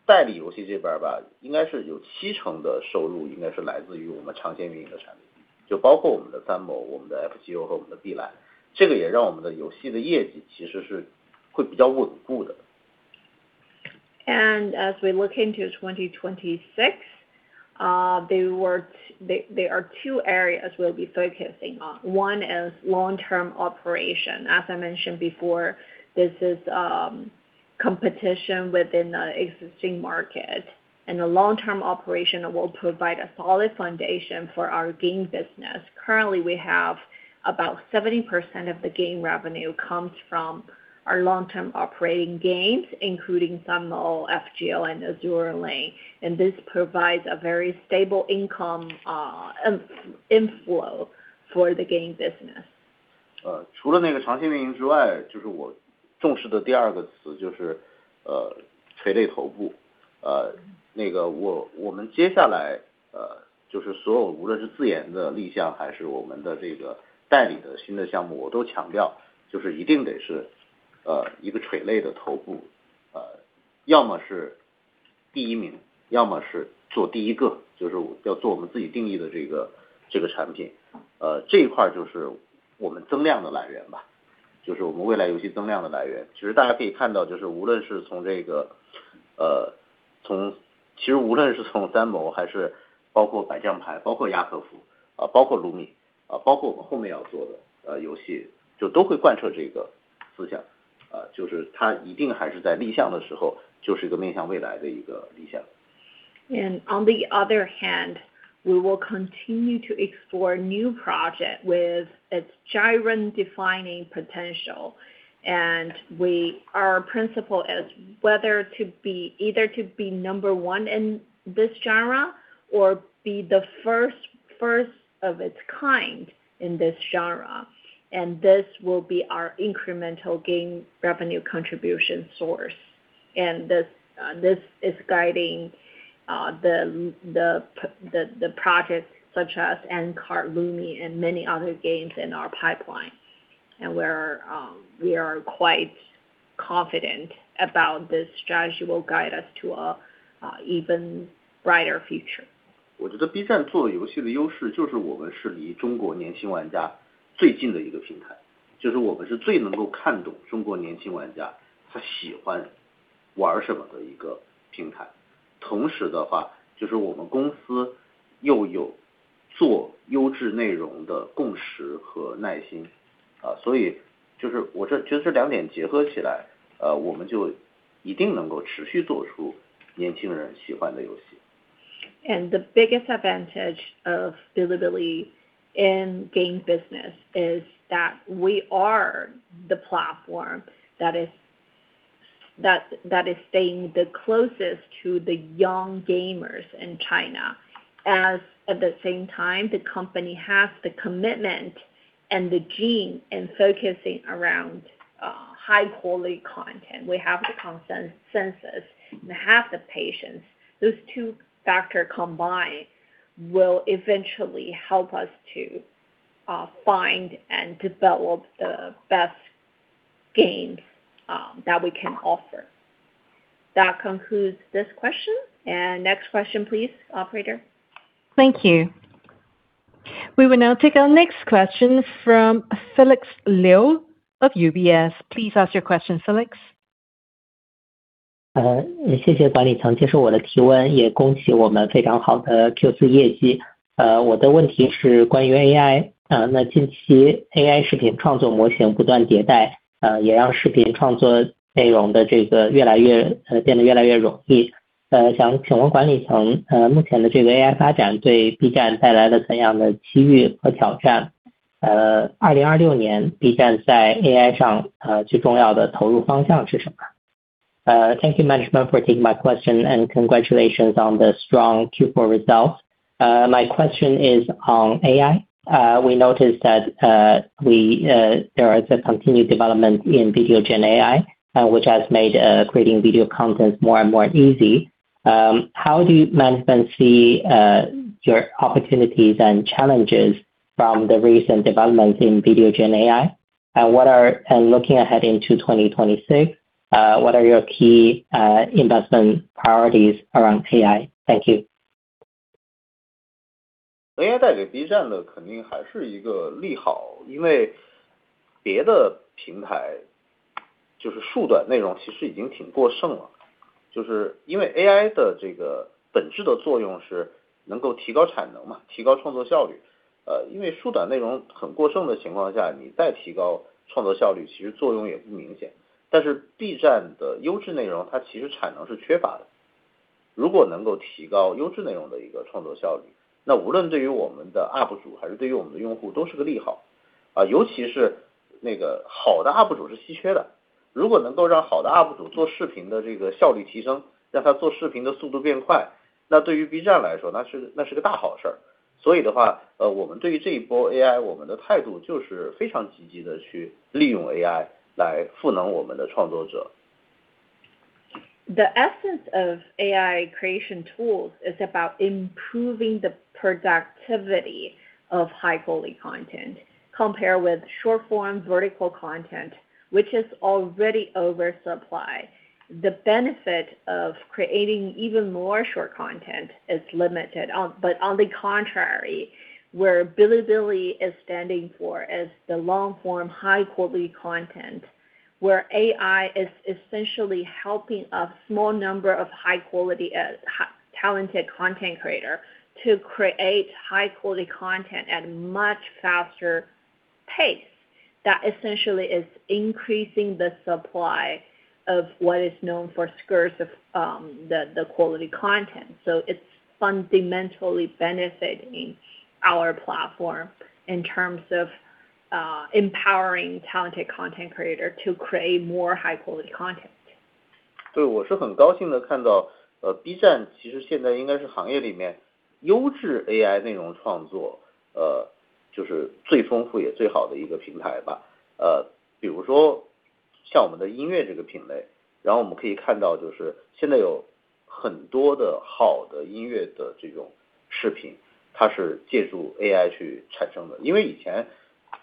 代理游戏这边 吧， 应该是有七成的收入应该是来自于我们长期运营的产 品， 就包括我们的三 谋， 我们的 FGO 和我们的碧 蓝， 这个也让我们的游戏的业绩其实是会比较稳固的。As we look into 2026, there are two areas we'll be focusing on. One is long-term operation. As I mentioned before, this is competition within the existing market, and a long-term operation will provide a solid foundation for our game business. Currently, we have about 70% of the game revenue comes from our long-term operating games, including San Mou, FGO and Azur Lane, and this provides a very stable income inflow for the game business. 呃， 除了那个长期运营之 外， 就是我重视的第二个词就是 呃， 垂类头 部， 呃， 那个我-我们接下来 呃， 就是所有无论是自研的立 项， 还是我们的这个代理的新的项 目， 我都强调就是一定得是 呃， 一个垂类的头 部， 呃， 要么是第一 名， 要么是做第一 个， 就是要做我们自己定义的这 个， 这个产 品， 呃， 这一块就是我们增量的来源 吧， 就是我们未来游戏增量的来源。其实大家可以看 到， 就是无论是从这个 呃， 从其实无论是从三 谋， 还是包括百将 牌， 包括亚可 夫， 啊包括卢 米， 啊包括我们后面要做的 呃， 游 戏， 就都会贯彻这个思想， 啊， 就是它一定还是在立项的时 候， 就是一个面向未来的一个立项。On the other hand, we will continue to explore new project with its genre-defining potential. Our principle is whether to be either to be number one in this genre or be the first of its kind in this genre. This will be our incremental gain revenue contribution source. This is guiding the, the project such as NCard, Lumi, and many other games in our pipeline. We are quite confident about this strategy will guide us to a even brighter future. 我觉得 B 站做游戏的优势就是我们是离中国年轻玩家最近的一个平 台， 就是我们是最能够看懂中国年轻玩家他喜欢玩什么的一个平台。同时的 话， 就是我们公司又有做优质内容的共识和耐心。就是我这觉得这两点结合起 来， 我们就一定能够持续做出年轻人喜欢的游戏。The biggest advantage of Bilibili in game business is that we are the platform that is staying the closest to the young gamers in China. As at the same time, the company has the commitment and the gene in focusing around high quality content. We have the consensus and have the patience. Those two factor combined will eventually help us to find and develop the best game that we can offer. That concludes this question. Next question please operator. Thank you. We will now take our next question from Felix Liu of UBS. Please ask your question, Felix. 谢谢管理层接受我的提问，也恭喜我们非常好的 Q4 业绩。我的问题是关于 AI。那近期 AI 视频创作模型不断迭代，也让视频创作内容的这个越来越，变得越来越容易。想请问管理层，目前的这个 AI 发展对 B 站带来了怎样的机遇和挑战？2026 年 B 站在 AI 上，最重要的投入方向是什么？Thank you management for taking my question, and congratulations on the strong Q4 results. My question is on AI. We noticed that we there is a continued development in video gen AI which has made creating video content more and more easy. How do you management see your opportunities and challenges from the recent development in video gen AI? Looking ahead into 2026, what are your key investment priorities around AI? Thank you. AI 带来 B 站的肯定还是一个利 好， 别的平台就是竖短内容其实已经挺过剩了。AI 的这个本质的作用是能够提高产能 嘛， 提高创作效率。竖短内容很过剩的情况 下， 你再提高创作效 率， 其实作用也不明显。B 站的优质内容它其实产能是缺乏的。如果能够提高优质内容的一个创作效 率， 那无论对于我们的 up 主还是对于我们的用户都是个利好。尤其是那个好的 up 主是稀缺 的， 如果能够让好的 up 主做视频的这个效率提 升， 让他做视频的速度变 快， 那对于 B 站来 说， 那是个大好事。我们对于这一波 AI， 我们的态度就是非常积极地去利用 AI 来赋能我们的创作者。The essence of AI creation tools is about improving the productivity of high-quality content. Compare with short-form vertical content, which is already oversupply. The benefit of creating even more short content is limited. On the contrary, where Bilibili is standing for is the long-form high-quality content, where AI is essentially helping a small number of high-quality, talented content creator to create high-quality content at much faster pace. That essentially is increasing the supply of what is known for scarce of the quality content. It's fundamentally benefiting our platform in terms of empowering talented content creator to create more high-quality content. 我是很高兴地看 到， B 站其实现在应该是行业里面优质 AI 内容创 作， 就是最丰富也最好的一个平台吧。比如说像我们的音乐这个品 类， 然后我们可以看到就是现在有很多的好的音乐的这种视 频， 它是借助 AI 去产生的。因为以前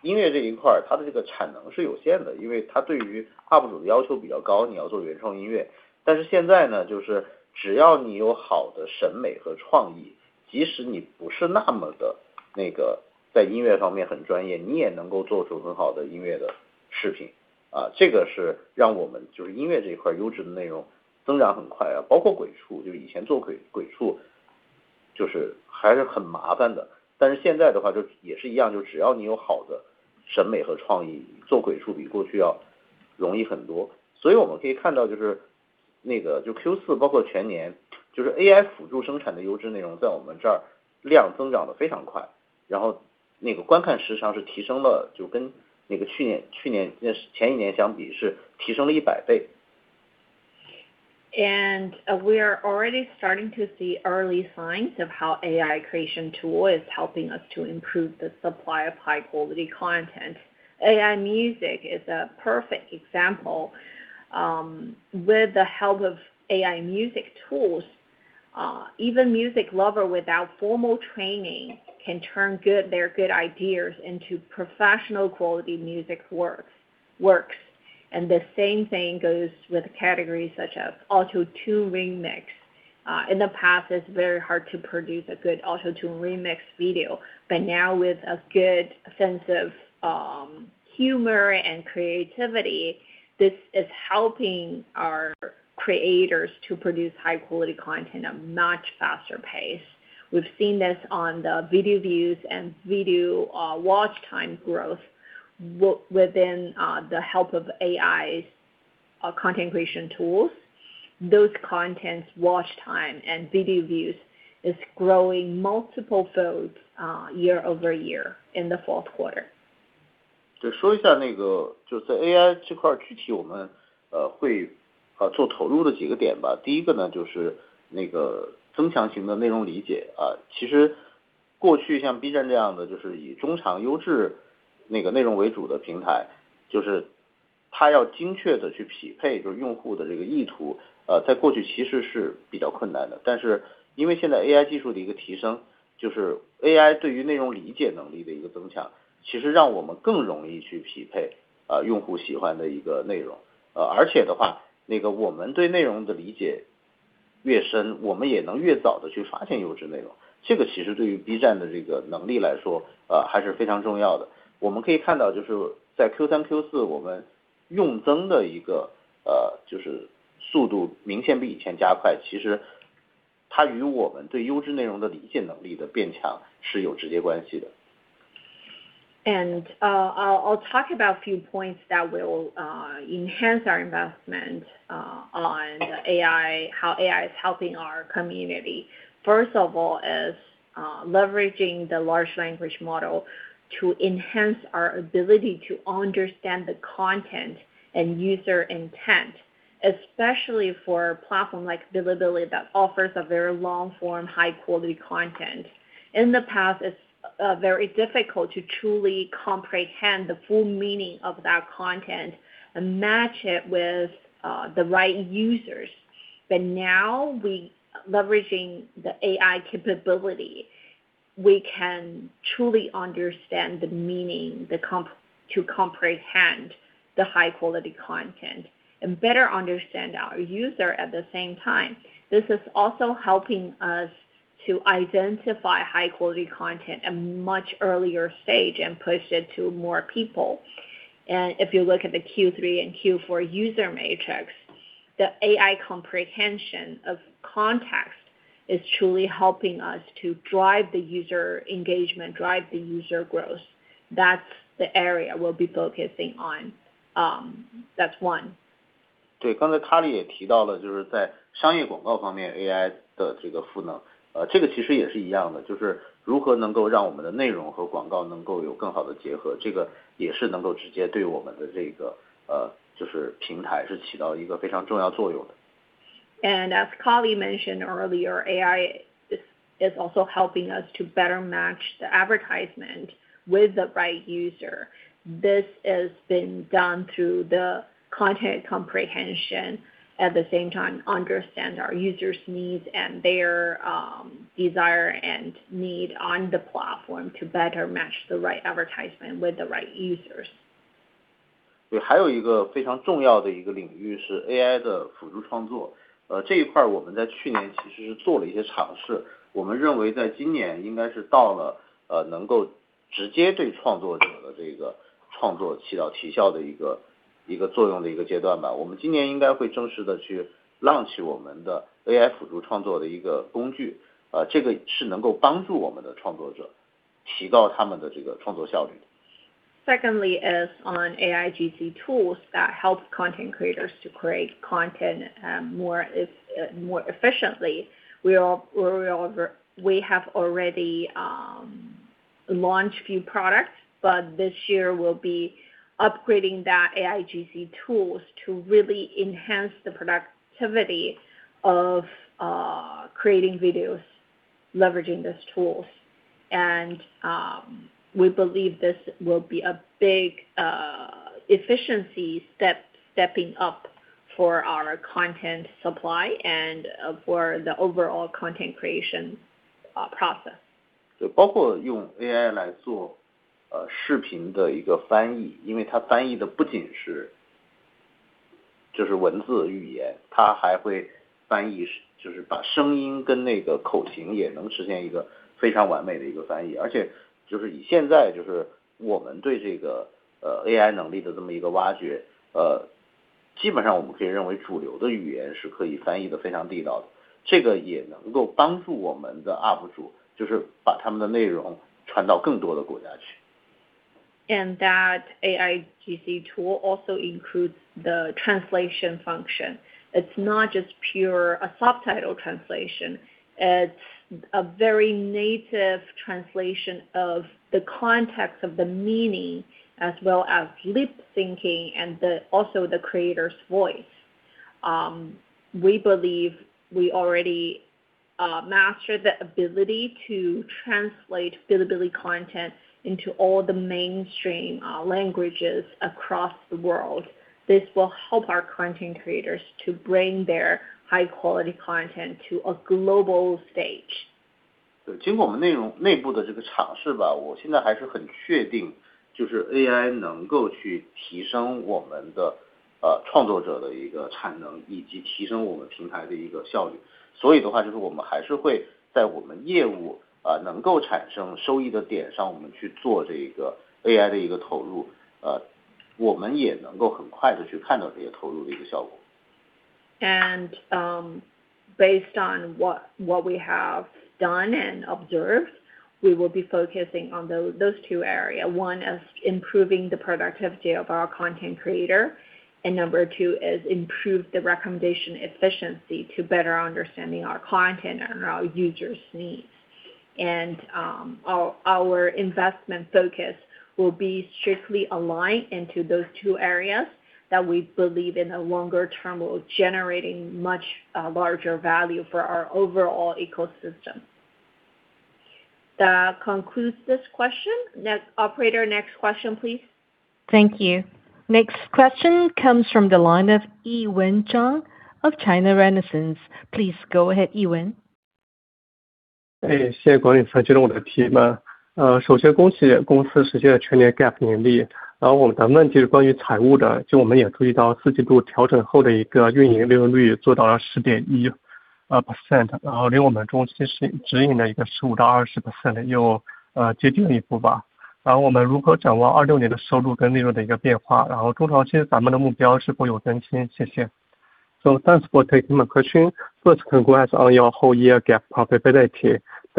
音乐这一块它的这个产能是有限 的， 因为它对于 UP主 的要求比较 高， 你要做原创音乐。现在 呢， 就是只要你有好的审美和创 意， 即使你不是那么的那个在音乐方面很专 业， 你也能够做出很好的音乐的视频。这个是让我们就是音乐这一块优质的内容增长很快。包括 鬼畜， 就是以前做鬼畜就是还是很麻烦 的， 现在的话就也是一 样， 就只要你有好的审美和创 意， 做鬼畜比过去要容易很多。我们可以看到就是那个就 Q4， 包括全 年， 就是 AI 辅助生产的优质内容在我们这儿量增长得非常 快， 然后那个观看时长是提升 了， 就跟那个去 年， 去年那是前一年相比是提升了100 倍。We are already starting to see early signs of how AI creation tool is helping us to improve the supply of high quality content. AI music is a perfect example. With the help of AI music tools, even music lover without formal training can turn good their good ideas into professional quality music works. The same thing goes with categories such as autotune remix. In the past, it's very hard to produce a good autotune remix video, but now with a good sense of humor and creativity, this is helping our creators to produce high quality content at much faster pace. We've seen this on the video views and video watch time growth within the help of AI's content creation tools. Those contents watch time and video views is growing multiple folds, year-over-year in the fourth quarter. 就说一下在 AI 这块具体我们做投入的几个点吧。第一个增强型的内容理解。其实过去像 B 站这样 的， 以中长优质内容为主的平 台， 它要精确地去匹配用户的这个意 图， 在过去其实是比较困难的。因为现在 AI 技术的一个提 升， AI 对于内容理解能力的一个增 强， 其实让我们更容易去匹配用户喜欢的一个内容。我们对内容的理解越 深， 我们也能越早地去发现优质内容。这个其实对于 B 站的这个能力来 说， 还是非常重要的。我们可以看到在 Q3、Q4， 我们用增的一个速度明显比以前加 快， 其实它与我们对优质内容的理解能力的变强是有直接关系的。I'll talk about a few points that will enhance our investment on AI, how AI is helping our community. First of all is leveraging the large language model to enhance our ability to understand the content and user intent, especially for platform like Bilibili that offers a very long-form, high-quality content. In the past is very difficult to truly comprehend the full meaning of that content and match it with the right users. Now we leveraging the AI capability, we can truly understand the meaning. to comprehend the high quality content and better understand our user at the same time. This is also helping us to identify high quality content a much earlier stage and push it to more people. If you look at the Q3 and Q4 user matrix, the AI comprehension of context is truly helping us to drive the user engagement, drive the user growth. That's the area we'll be focusing on. That's one. 对， 刚才 Ni Li 也提到 了， 就是在商业广告方面 ，AI 的这个赋 能， 呃， 这个其实也是一样 的， 就是如何能够让我们的内容和广告能够有更好的结 合， 这个也是能够直接对我们的这 个， 呃， 就是平台是起到一个非常重要作用的。As Ni Li mentioned earlier, AI is also helping us to better match the advertisement with the right user. This is been done through the content comprehension, at the same time understand our users needs and their, desire and need on the platform to better match the right advertisement with the right users. 对， 还有一个非常重要的一个领域是 AI 的辅助创作。呃， 这一块我们在去年其实是做了一些尝 试， 我们认为在今年应该是到 了， 呃， 能够直接对创作者的这个创作起到提效的一 个， 一个作用的一个阶段吧。我们今年应该会正式地去 launch 我们的 AI 辅助创作的一个工 具， 呃， 这个是能够帮助我们的创作者提高他们的这个创作效率。Secondly is on AIGC tools that help content creators to create content more efficiently. We have already launched few products, but this year we'll be upgrading that AIGC tools to really enhance the productivity of creating videos, leveraging these tools. We believe this will be a big efficiency step stepping up for our content supply and for the overall content creation process. 包括用 AI 来 做， 视频的一个翻 译， 因为它翻译的不仅 是， 这是文字语 言， 它还会翻译 是， 就是把声音跟那个口型也能实现一个非常完美的一个翻译。就是以现在就是我们对这 个， AI 能力的这么一个挖 掘， 基本上我们可以认为主流的语言是可以翻译得非常地道 的， 这个也能够帮助我们的 UP主， 就是把他们的内容传到更多的国家去。That AIGC tool also includes the translation function. It's not just pure a subtitle translation, it's a very native translation of the context of the meaning as well as lip-syncing and the also the creator's voice. We believe we already master the ability to translate Bilibili content into all the mainstream languages across the world. This will help our content creators to bring their high quality content to a global stage. 对, 经过我们内容内部的这个尝试 吧, 我现在还是很确 定, 就是 AI 能够去提升我们的创作者的一个产 能, 以及提升我们平台的一个效 率. 我们还是会在我们业务能够产生收益的点 上, 我们去做这一个 AI 的一个投 入, 我们也能够很快地去看到这些投入的一个效 果. Based on what we have done and observed, we will be focusing on those two area. One is improving the productivity of our content creator. Number two is improve the recommendation efficiency to better understanding our content and our users' needs. Our investment focus will be strictly aligned into those two areas that we believe in a longer term will generating much larger value for our overall ecosystem. That concludes this question. Next. Operator, next question please. Thank you. Next question comes from the line of Yiwen Zhang of China Renaissance. Please go ahead, Yiwen. 诶， 谢谢经理接受我的提问。呃， 首先恭喜公司实现了全年 GAAP 盈利。然后我们的问题是关于财务 的， 就我们也注意到四季度调整后的一个运营利润率做到了十点 一， 呃 ，percent， 然后离我们中心指-指引的一个十五到二十 percent 又， 呃， 接近了一步吧。然后我们如何展望二六年的收入跟利润的一个变 化， 然后中长期咱们的目标是否有所更 新？ 谢谢。Thanks for taking my question. First, congrats on your whole year GAAP profitability. The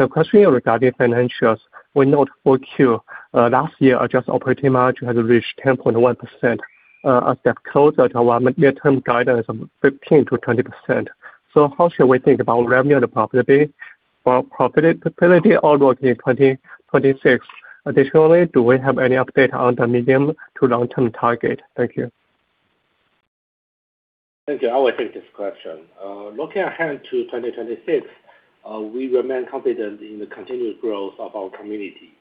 question regarding financials will note 4Q. last year adjusted operating margin has reached 10.1%, a step closer to our mid-year term guidance of 15%-20%. How should we think about revenue and profitability, pro-profitability outlook in 2026? Additionally, do we have any update on the medium to long term target? Thank you. Thank you. I will take this question. Looking ahead to 2026, we remain confident in the continuous growth of our community.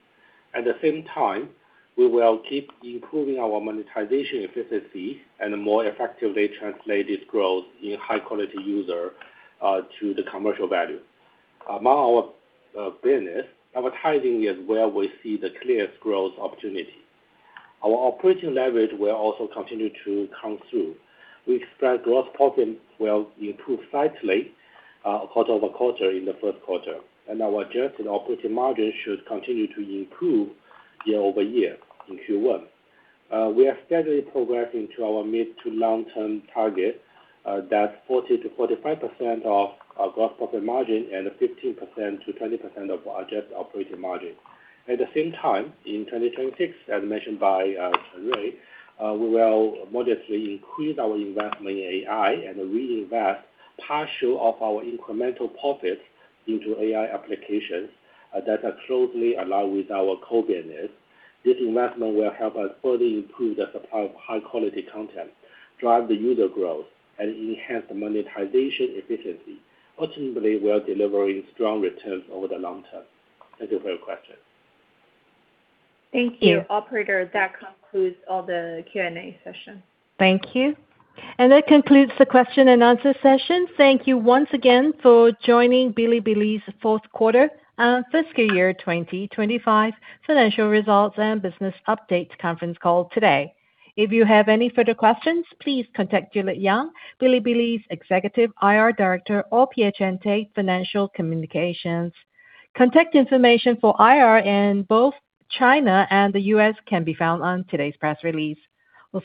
At the same time, we will keep improving our monetization efficiency and more effectively translate this growth in high quality user to the commercial value. Among our business, advertising is where we see the clearest growth opportunity. Our operating leverage will also continue to come through. We expect gross profit will improve slightly quarter-over-quarter in the first quarter, and our adjusted operating margin should continue to improve year-over-year in Q1. We are steadily progressing to our mid to long term target, that's 40%-45% of our gross profit margin and 15%-20% of our adjusted operating margin. At the same time, in 2026, as mentioned by Rui, we will modestly increase our investment in AI and reinvest partial of our incremental profits into AI applications that are closely aligned with our core business. This investment will help us further improve the supply of high quality content, drive the user growth, and enhance the monetization efficiency. Ultimately, we are delivering strong returns over the long term. Thank you for your question. Thank you. Operator, that concludes all the Q&A session. Thank you. That concludes the question and answer session. Thank you once again for joining Bilibili's Fourth Quarter and Fiscal Year 2025 Financial Results and Business Updates Conference Call today. If you have any further questions, please contact Juliet Yang, Bilibili's Executive IR Director or Brandi Piacente Financial Communications. Contact information for IR in both China and the US can be found on today's press release.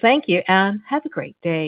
Thank you and have a great day.